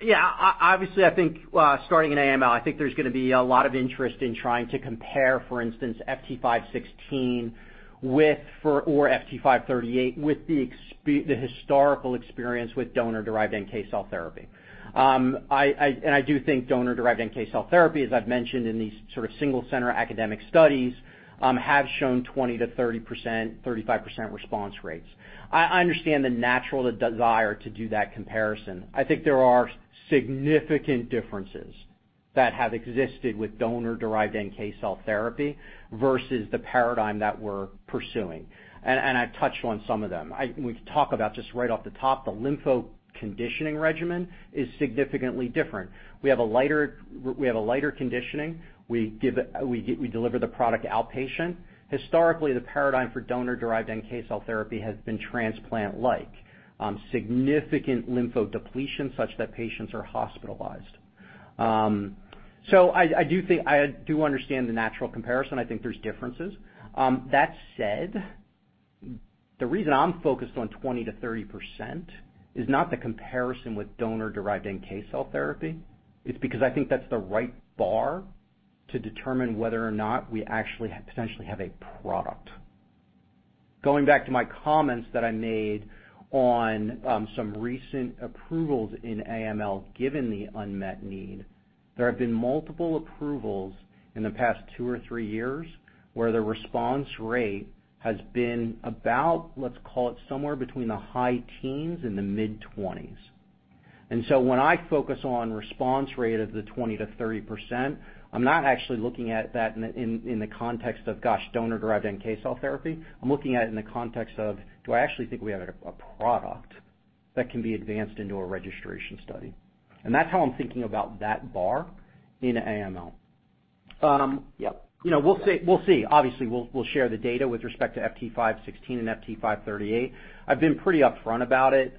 Yeah. Obviously, I think starting in AML, I think there's going to be a lot of interest in trying to compare, for instance, FT516 or FT538 with the historical experience with donor-derived NK cell therapy. I do think donor-derived NK cell therapy, as I've mentioned in these sort of single center academic studies, have shown 20%-35% response rates. I understand the natural desire to do that comparison. I think there are significant differences that have existed with donor-derived NK cell therapy versus the paradigm that we're pursuing, and I've touched on some of them. We could talk about just right off the top, the lympho-conditioning regimen is significantly different. We have a lighter conditioning. We deliver the product outpatient. Historically, the paradigm for donor-derived NK cell therapy has been transplant-like, significant lymphodepletion such that patients are hospitalized. I do understand the natural comparison. I think there's differences. That said, the reason I'm focused on 20%-30% is not the comparison with donor-derived NK cell therapy, it's because I think that's the right bar to determine whether or not we actually potentially have a product. Going back to my comments that I made on some recent approvals in AML given the unmet need, there have been multiple approvals in the past two or three years where the response rate has been about, let's call it somewhere between the high teens and the mid-20s. When I focus on response rate of the 20%-30%, I'm not actually looking at that in the context of, gosh, donor-derived NK cell therapy. I'm looking at it in the context of do I actually think we have a product that can be advanced into a registration study? That's how I'm thinking about that bar in AML. We'll see. Obviously, we'll share the data with respect to FT516 and FT538. I've been pretty upfront about it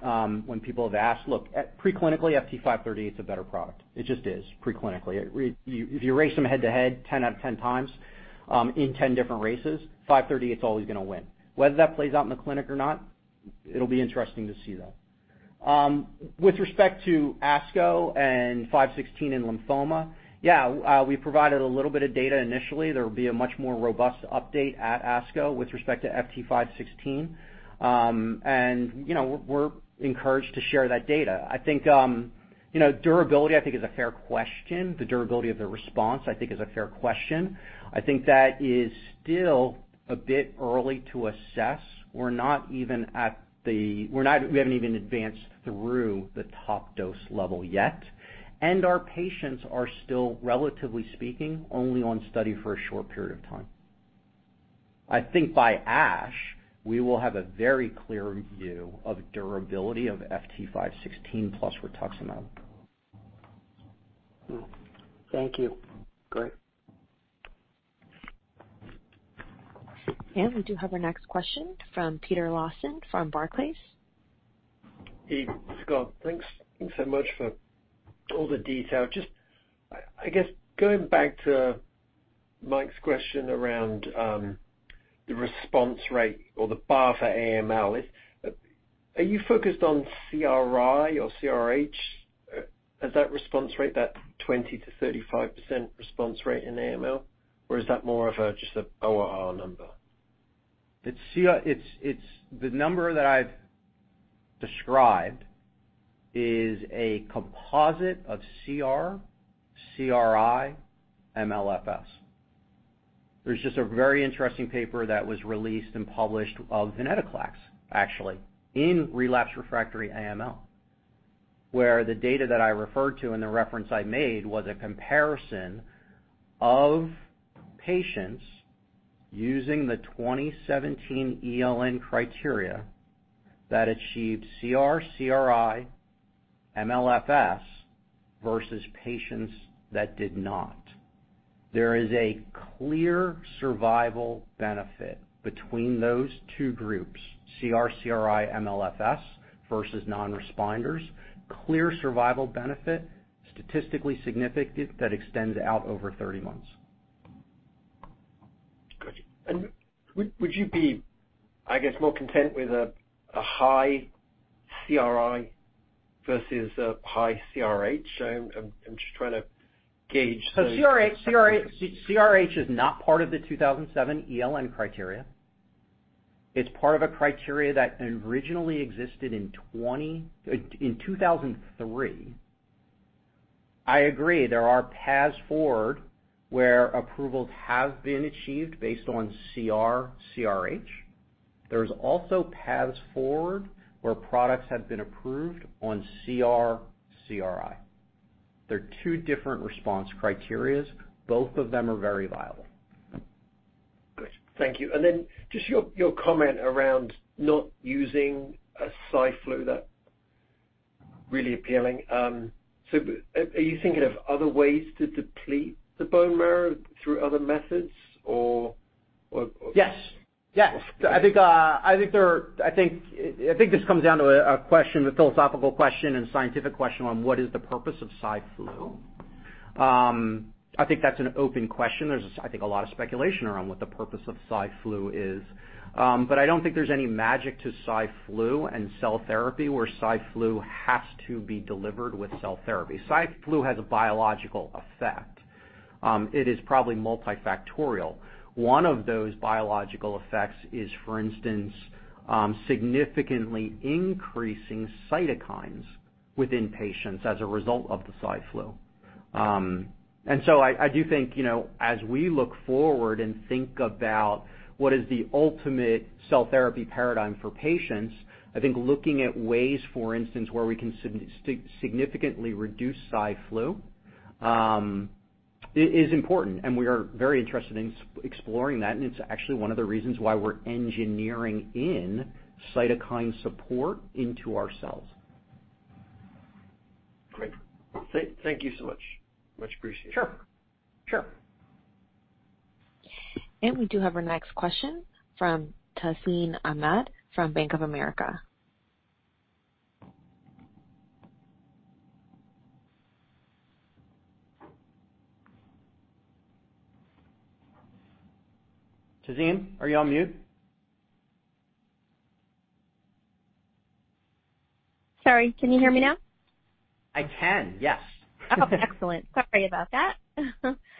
when people have asked. Look, preclinically, FT538's a better product. It just is preclinically. If you race them head-to-head 10 out of 10 times in 10 different races, FT538's always going to win. Whether that plays out in the clinic or not, it'll be interesting to see, though. With respect to ASCO and 516 in lymphoma, yeah, we provided a little bit of data initially. There will be a much more robust update at ASCO with respect to FT516. We're encouraged to share that data. Durability I think is a fair question. The durability of the response I think is a fair question. I think that is still a bit early to assess. We haven't even advanced through the top dose level yet, and our patients are still, relatively speaking, only on study for a short period of time. I think by ASH, we will have a very clear view of durability of FT516 plus rituximab. Thank you. Great. We do have our next question from Peter Lawson from Barclays. Hey, Scott. Thanks so much for all the detail. I guess, going back to Mike's question around the response rate or the bar for AML, are you focused on CRi or CRh? Is that response rate that 20%-35% response rate in AML, or is that more of just an ORR number? The number that I've described is a composite of CR, CRi, MLFS. There's just a very interesting paper that was released and published of venetoclax, actually, in relapse refractory AML, where the data that I referred to and the reference I made was a comparison of patients using the 2017 ELN criteria that achieved CR, CRi, MLFS versus patients that did not. There is a clear survival benefit between those two groups, CR, CRi, MLFS versus non-responders, clear survival benefit, statistically significant, that extends out over 30 months. Gotcha. Would you be, I guess, more content with a high CRi versus a high CRh? I'm just trying to gauge. CRh is not part of the 2007 ELN criteria. It's part of a criteria that originally existed in 2003. I agree, there are paths forward where approvals have been achieved based on CR, CRh. There's also paths forward where products have been approved on CR, CRi. They're two different response criterias, both of them are very viable. Great. Thank you. Just your comment around not using a Cy/Flu, that really appealing. Are you thinking of other ways to deplete the bone marrow through other methods? Yes. I think this comes down to a philosophical question and scientific question on what is the purpose of Cy/Flu. I think that's an open question. There's, I think, a lot of speculation around what the purpose of Cy/Flu is. I don't think there's any magic to Cy/Flu and cell therapy, where Cy/Flu has to be delivered with cell therapy. Cy/Flu has a biological effect. It is probably multifactorial. One of those biological effects is, for instance, significantly increasing cytokines within patients as a result of the Cy/Flu. I do think, as we look forward and think about what is the ultimate cell therapy paradigm for patients, I think looking at ways, for instance, where we can significantly reduce Cy/Flu is important, and we are very interested in exploring that, and it's actually one of the reasons why we're engineering in cytokine support into our cells. Great. Thank you so much. Much appreciated. Sure. We do have our next question from Tazeen Ahmad from Bank of America. Tazeen, are you on mute? Sorry, can you hear me now? I can, yes. Oh, excellent. Sorry about that.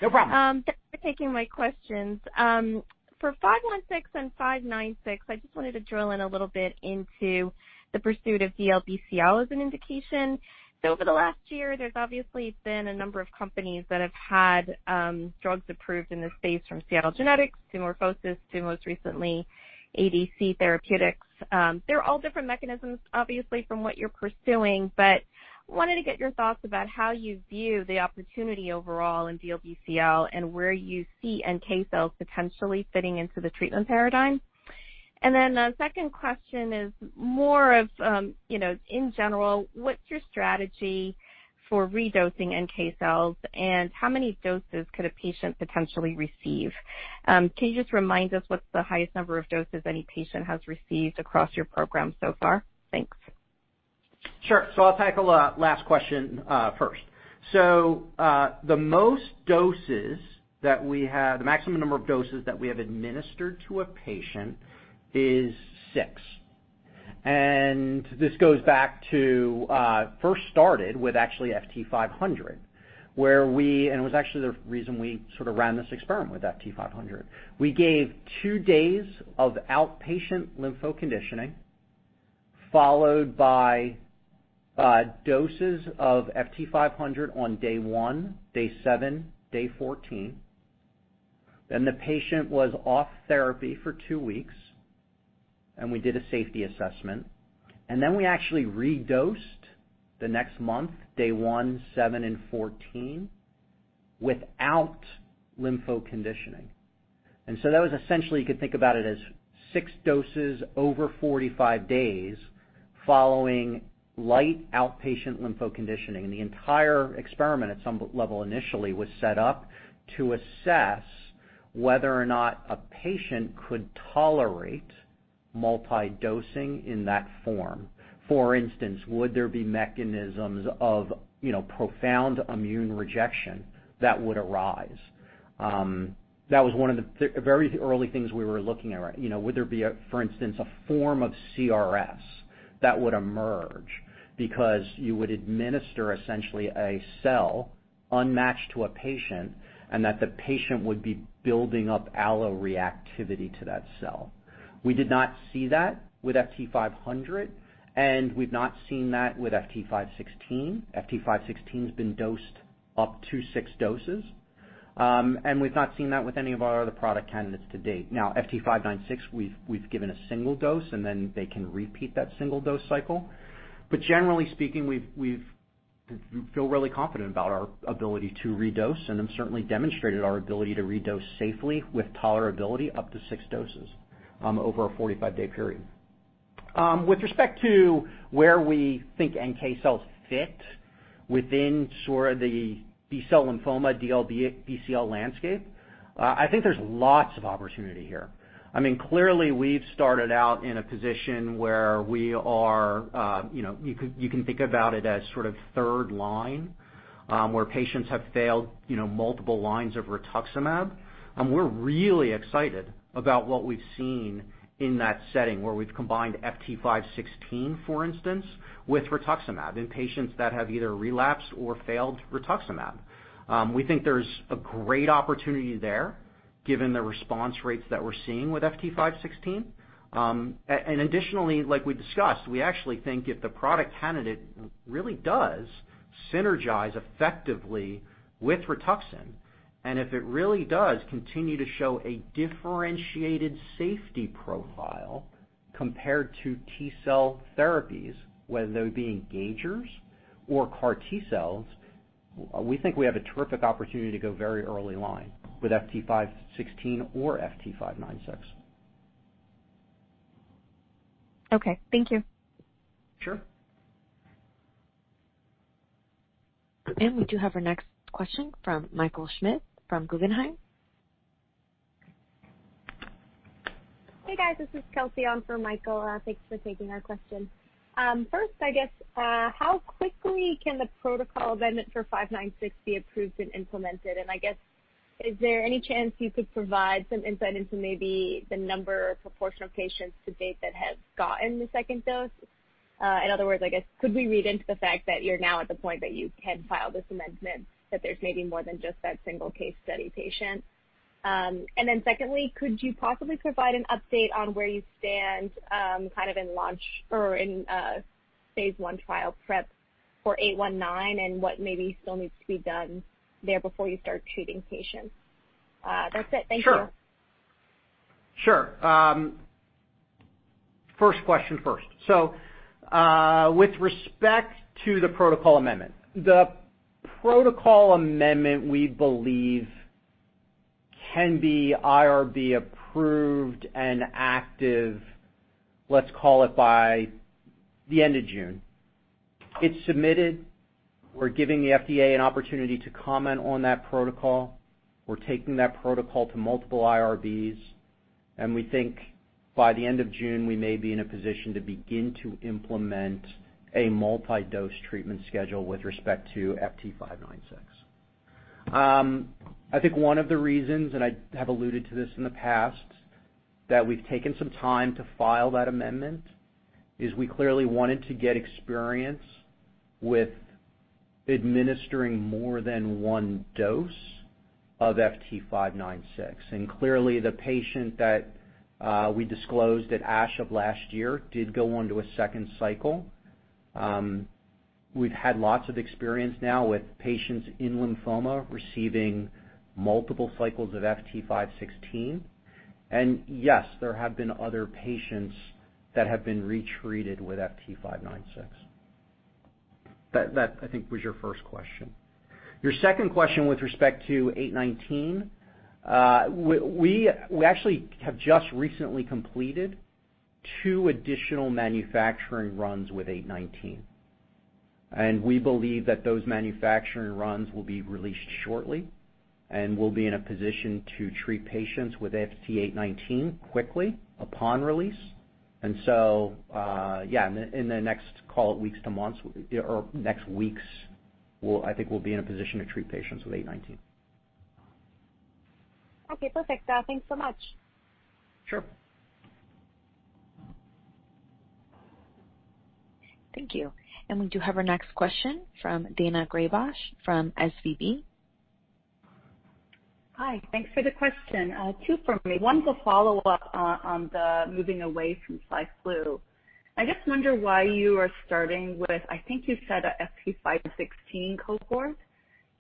No problem. Thanks for taking my questions. For 516 and 596, I just wanted to drill in a little bit into the pursuit of DLBCL as an indication. Over the last year, there's obviously been a number of companies that have had drugs approved in this space from Seattle Genetics to MorphoSys to most recently ADC Therapeutics. They're all different mechanisms, obviously, from what you're pursuing. Wanted to get your thoughts about how you view the opportunity overall in DLBCL and where you see NK cells potentially fitting into the treatment paradigm. The second question is more of, in general, what's your strategy for redosing NK cells, and how many doses could a patient potentially receive? Can you just remind us what's the highest number of doses any patient has received across your program so far? Thanks. Sure. I'll tackle the last question first. The maximum number of doses that we have administered to a patient is six. This goes back to first started with actually FT500, and it was actually the reason we sort of ran this experiment with FT500. We gave two days of outpatient lympho-conditioning, followed by doses of FT500 on day one, day seven, day 14, then the patient was off therapy for two weeks, and we did a safety assessment. Then we actually redosed the next month, day one, seven, and 14. Without lympho-conditioning. That was essentially, you could think about it as six doses over 45 days following light outpatient lympho-conditioning. The entire experiment at some level initially was set up to assess whether or not a patient could tolerate multi-dosing in that form. For instance, would there be mechanisms of profound immune rejection that would arise? That was one of the very early things we were looking at. Would there be, for instance, a form of CRS that would emerge because you would administer essentially a cell unmatched to a patient, and that the patient would be building up alloreactivity to that cell. We did not see that with FT500, and we've not seen that with FT516. FT516's been dosed up to six doses, and we've not seen that with any of our other product candidates to date. Now, FT596, we've given a single dose, and then they can repeat that single-dose cycle. Generally speaking, we feel really confident about our ability to redose, and then certainly demonstrated our ability to redose safely with tolerability up to six doses over a 45-day period. With respect to where we think NK cells fit within sort of the B-cell lymphoma, DLBCL landscape, I think there's lots of opportunity here. Clearly, we've started out in a position where you can think about it as sort of third line, where patients have failed multiple lines of rituximab. We're really excited about what we've seen in that setting, where we've combined FT516, for instance, with rituximab in patients that have either relapsed or failed rituximab. We think there's a great opportunity there given the response rates that we're seeing with FT516. Additionally, like we discussed, we actually think if the product candidate really does synergize effectively with RITUXAN, and if it really does continue to show a differentiated safety profile compared to T-cell therapies, whether they be engagers or CAR T-cells, we think we have a terrific opportunity to go very early line with FT516 or FT596. Okay. Thank you. Sure. We do have our next question from Michael Schmidt from Guggenheim. Hi, guys. This is Kelsey on for Michael. Thanks for taking our questions. First, I guess how quickly can the protocol amendment for 596 be approved and implemented? I guess, is there any chance you could provide some insight into maybe the number or proportion of patients to date that have gotten the second dose? In other words, I guess could we read into the fact that you're now at the point that you can file this amendment, that there's maybe more than just that single case study patient? Secondly, could you possibly provide an update on where you stand in launch or in phase I trial prep for 819, and what maybe still needs to be done there before you start treating patients? That's it. Thank you. Sure. First question first. With respect to the protocol amendment, the protocol amendment, we believe, can be IRB approved and active, let's call it by the end of June. It's submitted. We're giving the FDA an opportunity to comment on that protocol. We're taking that protocol to multiple IRBs, and we think by the end of June, we may be in a position to begin to implement a multi-dose treatment schedule with respect to FT596. I think one of the reasons, and I have alluded to this in the past, that we've taken some time to file that amendment is we clearly wanted to get experience with administering more than one dose of FT596. Clearly, the patient that we disclosed at ASH of last year did go on to a second cycle. We've had lots of experience now with patients in lymphoma receiving multiple cycles of FT516. Yes, there have been other patients that have been retreated with FT596. That, I think, was your first question. Your second question with respect to 819, we actually have just recently completed two additional manufacturing runs with 819. We believe that those manufacturing runs will be released shortly, and we'll be in a position to treat patients with FT819 quickly upon release. So, yeah, in the next, call it weeks to months or next weeks, I think we'll be in a position to treat patients with 819. Okay, perfect. Thanks so much. Sure. Thank you. We do have our next question from Daina Graybosch from SVB. Hi. Thanks for the question. Two from me. One to follow up on the moving away from Cy/Flu. I just wonder why you are starting with, I think you said a FT516 cohort,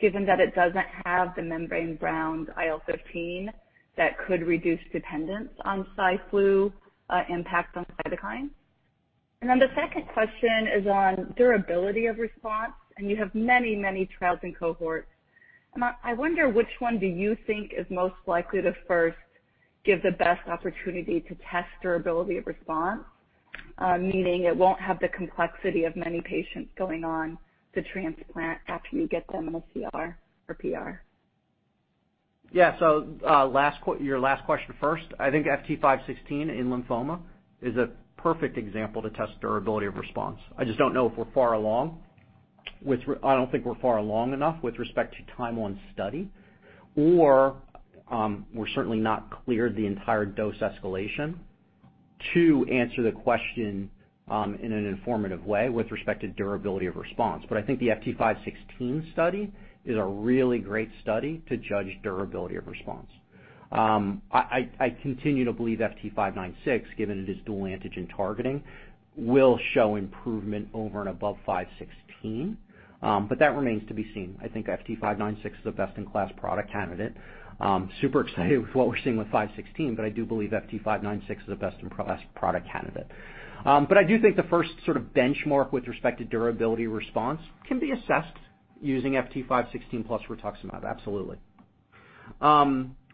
given that it doesn't have the membrane-bound IL-15 that could reduce dependence on Cy/Flu impact on cytokine. The second question is on durability of response, and you have many, many trials in cohort. I wonder which one do you think is most likely to first give the best opportunity to test durability of response, meaning it won't have the complexity of many patients going on to transplant after you get them in a CR or PR? Yeah. Your last question first, I think FT516 in lymphoma is a perfect example to test durability of response. I just don't know if we're far along. I don't think we're far along enough with respect to time on study, or we're certainly not cleared the entire dose escalation to answer the question in an informative way with respect to durability of response. I think the FT516 study is a really great study to judge durability of response. I continue to believe FT596, given it is dual antigen targeting, will show improvement over and above 516, but that remains to be seen. I think FT596 is a best-in-class product candidate. Super excited with what we're seeing with 516, but I do believe FT596 is a best-in-class product candidate. I do think the first sort of benchmark with respect to durability response can be assessed using FT516 plus rituximab, absolutely.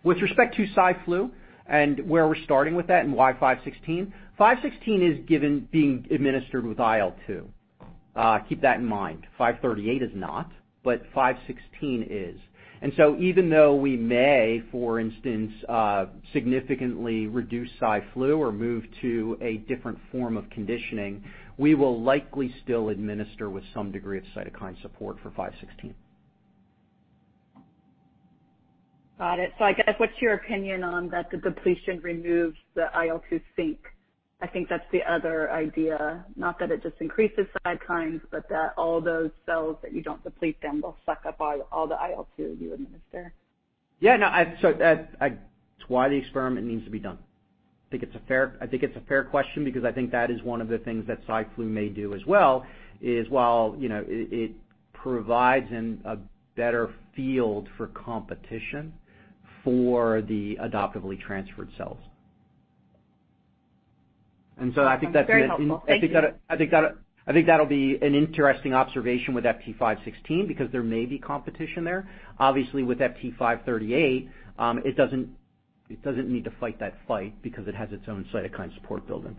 With respect to Cy/Flu and where we're starting with that and why 516. 516 is being administered with IL-2. Keep that in mind. 538 is not, but 516 is. Even though we may, for instance, significantly reduce Cy/Flu or move to a different form of conditioning, we will likely still administer with some degree of cytokine support for 516. Got it. I guess, what's your opinion on that the depletion removes the IL-2 sink? I think that's the other idea, not that it just increases cytokines, but that all those cells, that you don't deplete them, will suck up all the IL-2 you administer. Yeah, no. It's why the experiment needs to be done. I think it's a fair question because I think that is one of the things that Cy/Flu may do as well, is while it provides a better field for competition for the adoptively transferred cells. Very helpful. Thank you. I think that'll be an interesting observation with FT516 because there may be competition there. Obviously, with FT538, it doesn't need to fight that fight because it has its own cytokine support built in.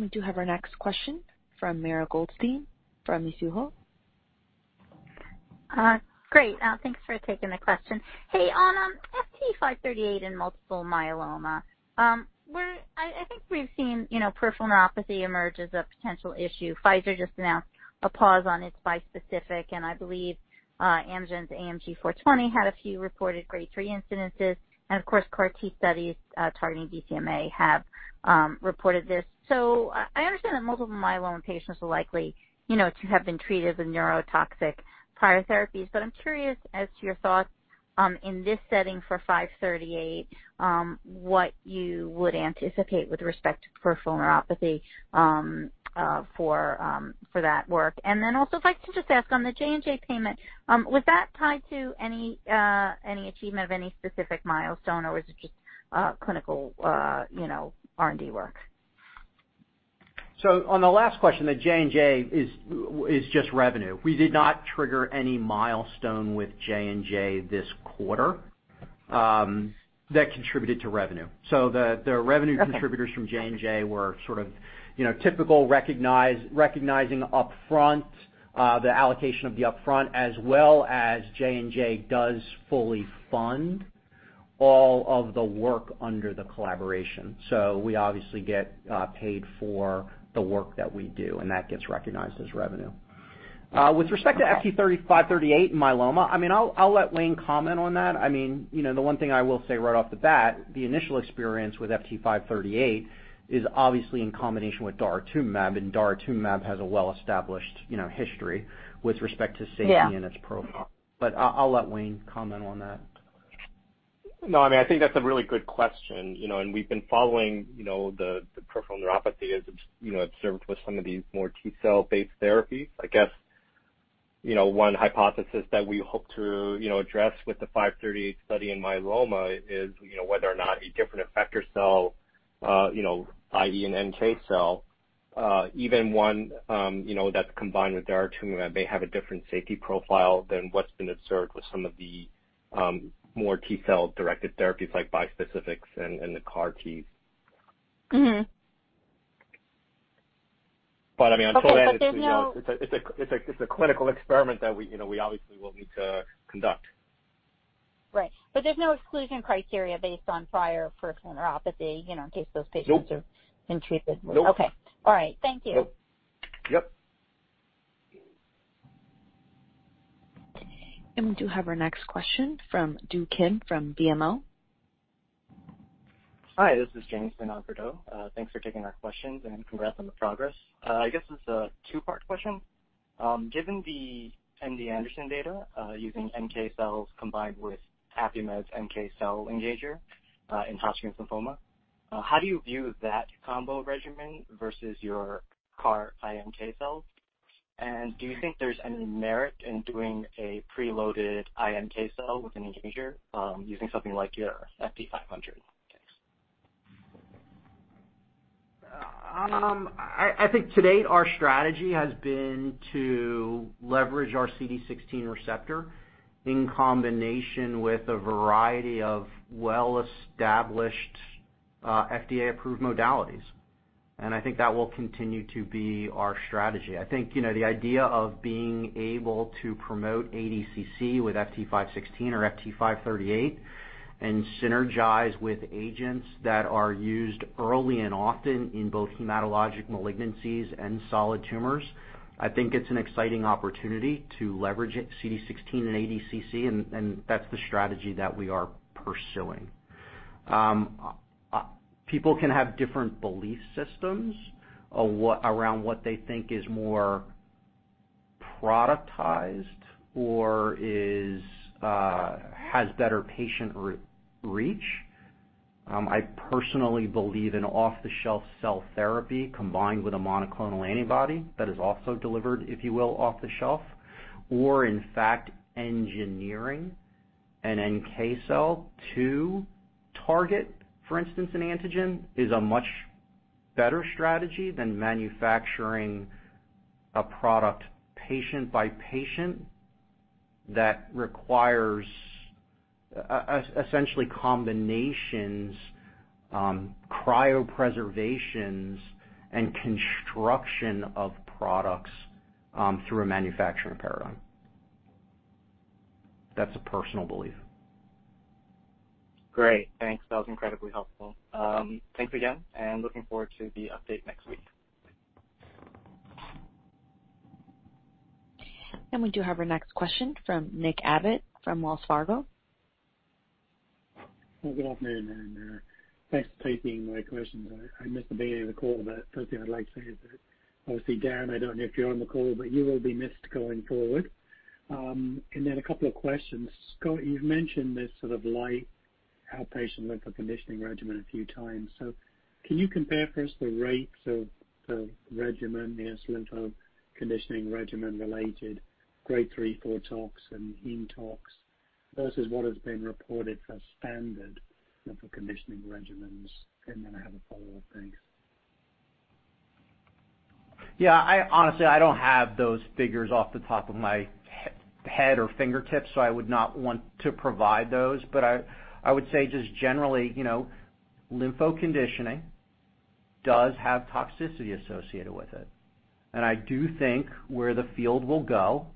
We do have our next question from Mara Goldstein from Mizuho. Great. Thanks for taking the question. Hey, on FT538 in multiple myeloma, I think we've seen peripheral neuropathy emerge as a potential issue. Pfizer just announced a pause on its bispecific, and I believe Amgen's AMG 420 had a few reported grade 3 incidences, and of course, CAR T studies targeting BCMA have reported this. I understand that multiple myeloma patients will likely to have been treated with neurotoxic prior therapies, but I'm curious as to your thoughts in this setting for 538, what you would anticipate with respect to peripheral neuropathy for that work. Also, if I could just ask on the J&J payment, was that tied to any achievement of any specific milestone, or was it just clinical R&D work? On the last question, the J&J is just revenue. We did not trigger any milestone with J&J this quarter that contributed to revenue. The revenue contributors from J&J were sort of typical, recognizing upfront the allocation of the upfront, as well as J&J does fully fund all of the work under the collaboration. We obviously get paid for the work that we do, and that gets recognized as revenue. With respect to FT538 and myeloma, I'll let Wayne comment on that. The one thing I will say right off the bat, the initial experience with FT538 is obviously in combination with daratumumab, and daratumumab has a well-established history with respect to safety and its profile. I'll let Wayne comment on that. No, I think that's a really good question. We've been following the peripheral neuropathy as observed with some of these more T-cell-based therapies. I guess, one hypothesis that we hope to address with the 538 study in myeloma is whether or not a different effector cell, i.e., an NK cell, even one that's combined with daratumumab, may have a different safety profile than what's been observed with some of the more T-cell-directed therapies like bispecifics and the CAR Ts. Until then. But there's no- It's a clinical experiment that we obviously will need to conduct. Right. There's no exclusion criteria based on prior peripheral neuropathy. Nope in case those patients have been treated. Nope. Okay. All right. Thank you. Yep. We do have our next question from Do Kim from BMO. Hi, this is James on for Do. Thanks for taking our questions, and congrats on the progress. I guess this is a two-part question. Given the MD Anderson data, using NK cells combined with Affimed's NK cell engager in Hodgkin's lymphoma, how do you view that combo regimen versus your CAR-iNK cells? Do you think there's any merit in doing a preloaded iNK cell with an engager using something like your FT500? Thanks. I think to date our strategy has been to leverage our CD16 receptor in combination with a variety of well-established, FDA-approved modalities. I think that will continue to be our strategy. I think the idea of being able to promote ADCC with FT516 or FT538 and synergize with agents that are used early and often in both hematologic malignancies and solid tumors, I think it's an exciting opportunity to leverage CD16 and ADCC, and that's the strategy that we are pursuing. People can have different belief systems around what they think is more productized or has better patient reach. I personally believe in off-the-shelf cell therapy combined with a monoclonal antibody that is also delivered, if you will, off-the-shelf, or in fact, engineering an NK cell to target, for instance, an antigen is a much better strategy than manufacturing a product patient by patient that requires essentially combinations, cryopreservations, and construction of products through a manufacturing paradigm. That is a personal belief. Great. Thanks. That was incredibly helpful. Thanks again, and looking forward to the update next week. We do have our next question from Nick Abbott from Wells Fargo. Well, good afternoon. Thanks for taking my questions. I missed the beginning of the call. First thing I'd like to say is that obviously, Dan, I don't know if you're on the call, but you will be missed going forward. A couple of questions. Scott, you've mentioned this sort of light outpatient lympho-conditioning regimen a few times. Can you compare for us the rates of the regimen, the lympho-conditioning regimen-related grade 3/4 tox and hem tox versus what has been reported for standard lympho-conditioning regimens? I have a follow-up, thanks. Yeah, honestly, I don't have those figures off the top of my head or fingertips, I would not want to provide those. I would say just generally, lympho-conditioning does have toxicity associated with it. I do think where the field will go,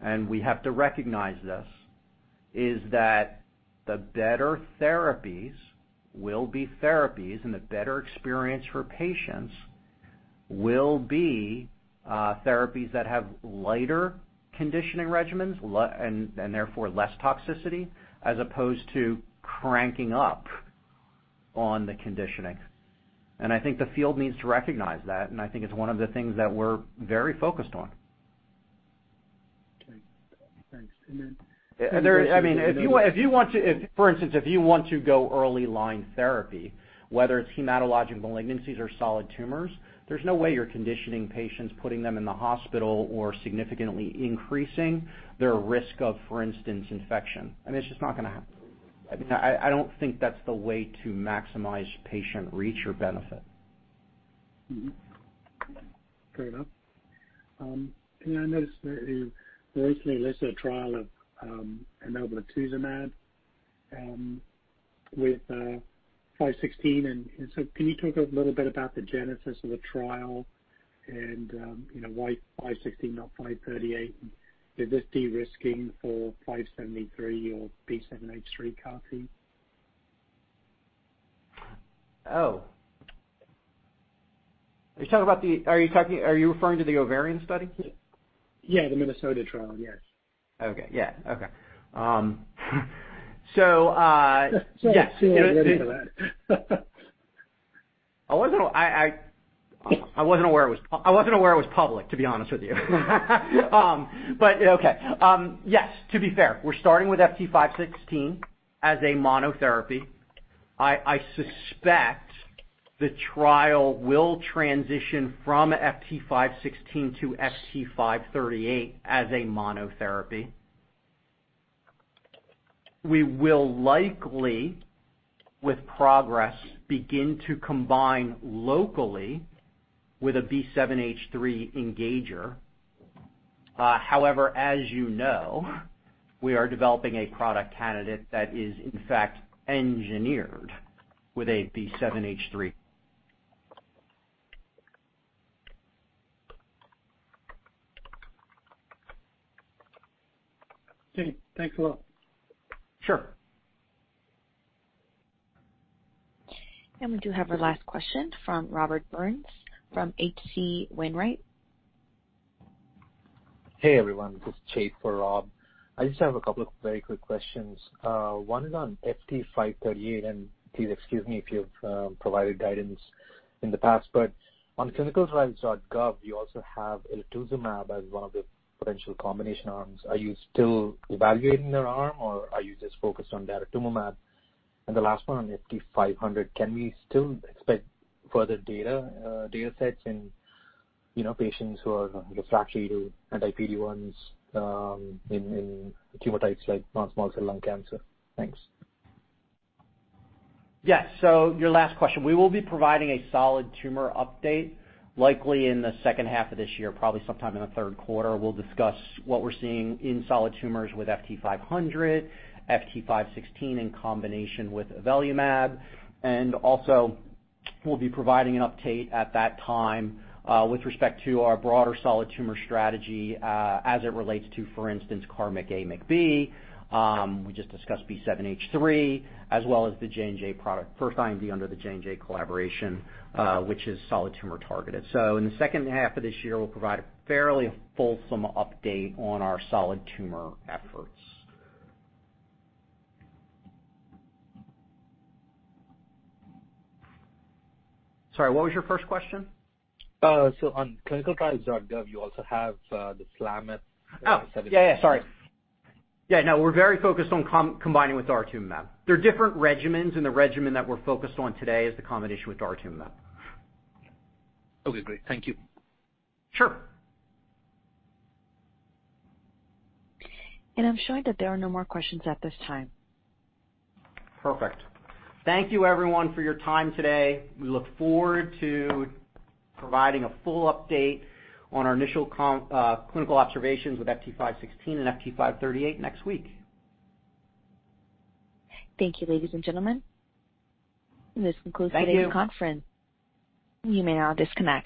and we have to recognize this, is that the better therapies will be therapies, and the better experience for patients will be therapies that have lighter conditioning regimens, and therefore less toxicity, as opposed to cranking up on the conditioning. I think the field needs to recognize that, and I think it's one of the things that we're very focused on. Okay. Thanks. For instance, if you want to go early-line therapy, whether it's hematologic malignancies or solid tumors, there's no way you're conditioning patients, putting them in the hospital or significantly increasing their risk of, for instance, infection. It's just not going to happen. I don't think that's the way to maximize patient reach or benefit. Mm-hmm. Fair enough. I noticed that you recently listed a trial of enoblituzumab with 516, can you talk a little bit about the genesis of the trial, and why 516, not 538? Is this de-risking for 573 or B7-H3 CAR T? Oh. Are you referring to the ovarian study? Yeah, the Minnesota trial, yes. Okay. Yeah. Okay. Yes. Sorry, I saw you were ready for that. I wasn't aware it was public, to be honest with you. Okay. Yes, to be fair, we're starting with FT516 as a monotherapy. I suspect the trial will transition from FT516 to FT538 as a monotherapy. We will likely, with progress, begin to combine locally with a B7-H3 engager. As you know, we are developing a product candidate that is, in fact, engineered with a B7-H3. Okay. Thanks a lot. Sure. We do have our last question from Robert Burns from H.C. Wainwright. Hey, everyone, this is Chase for Rob. I just have a couple of very quick questions. One is on FT538. Please excuse me if you've provided guidance in the past, but on clinicaltrials.gov, you also have elotuzumab as one of the potential combination arms. Are you still evaluating that arm, or are you just focused on daratumumab? The last one on FT500, can we still expect further data sets in patients who are refractory to anti-PD-1s in tumor types like non-small cell lung cancer? Thanks. Yeah. Your last question, we will be providing a solid tumor update, likely in the second half of this year, probably sometime in the third quarter. We'll discuss what we're seeing in solid tumors with FT500, FT516 in combination with avelumab. Also, we'll be providing an update at that time with respect to our broader solid tumor strategy as it relates to, for instance, CAR-MICA/MICB. We just discussed B7-H3, as well as the J&J product, first IND under the J&J collaboration, which is solid tumor-targeted. In the second half of this year, we'll provide a fairly fulsome update on our solid tumor efforts. Sorry, what was your first question? On clinicaltrials.gov, you also have the SLAMF7. Oh, yeah. Sorry. Yeah, no, we're very focused on combining with daratumumab. There are different regimens, and the regimen that we're focused on today is the combination with daratumumab. Okay, great. Thank you. Sure. I'm showing that there are no more questions at this time. Perfect. Thank you, everyone, for your time today. We look forward to providing a full update on our initial clinical observations with FT516 and FT538 next week. Thank you, ladies and gentlemen. This concludes today's conference. You may now disconnect.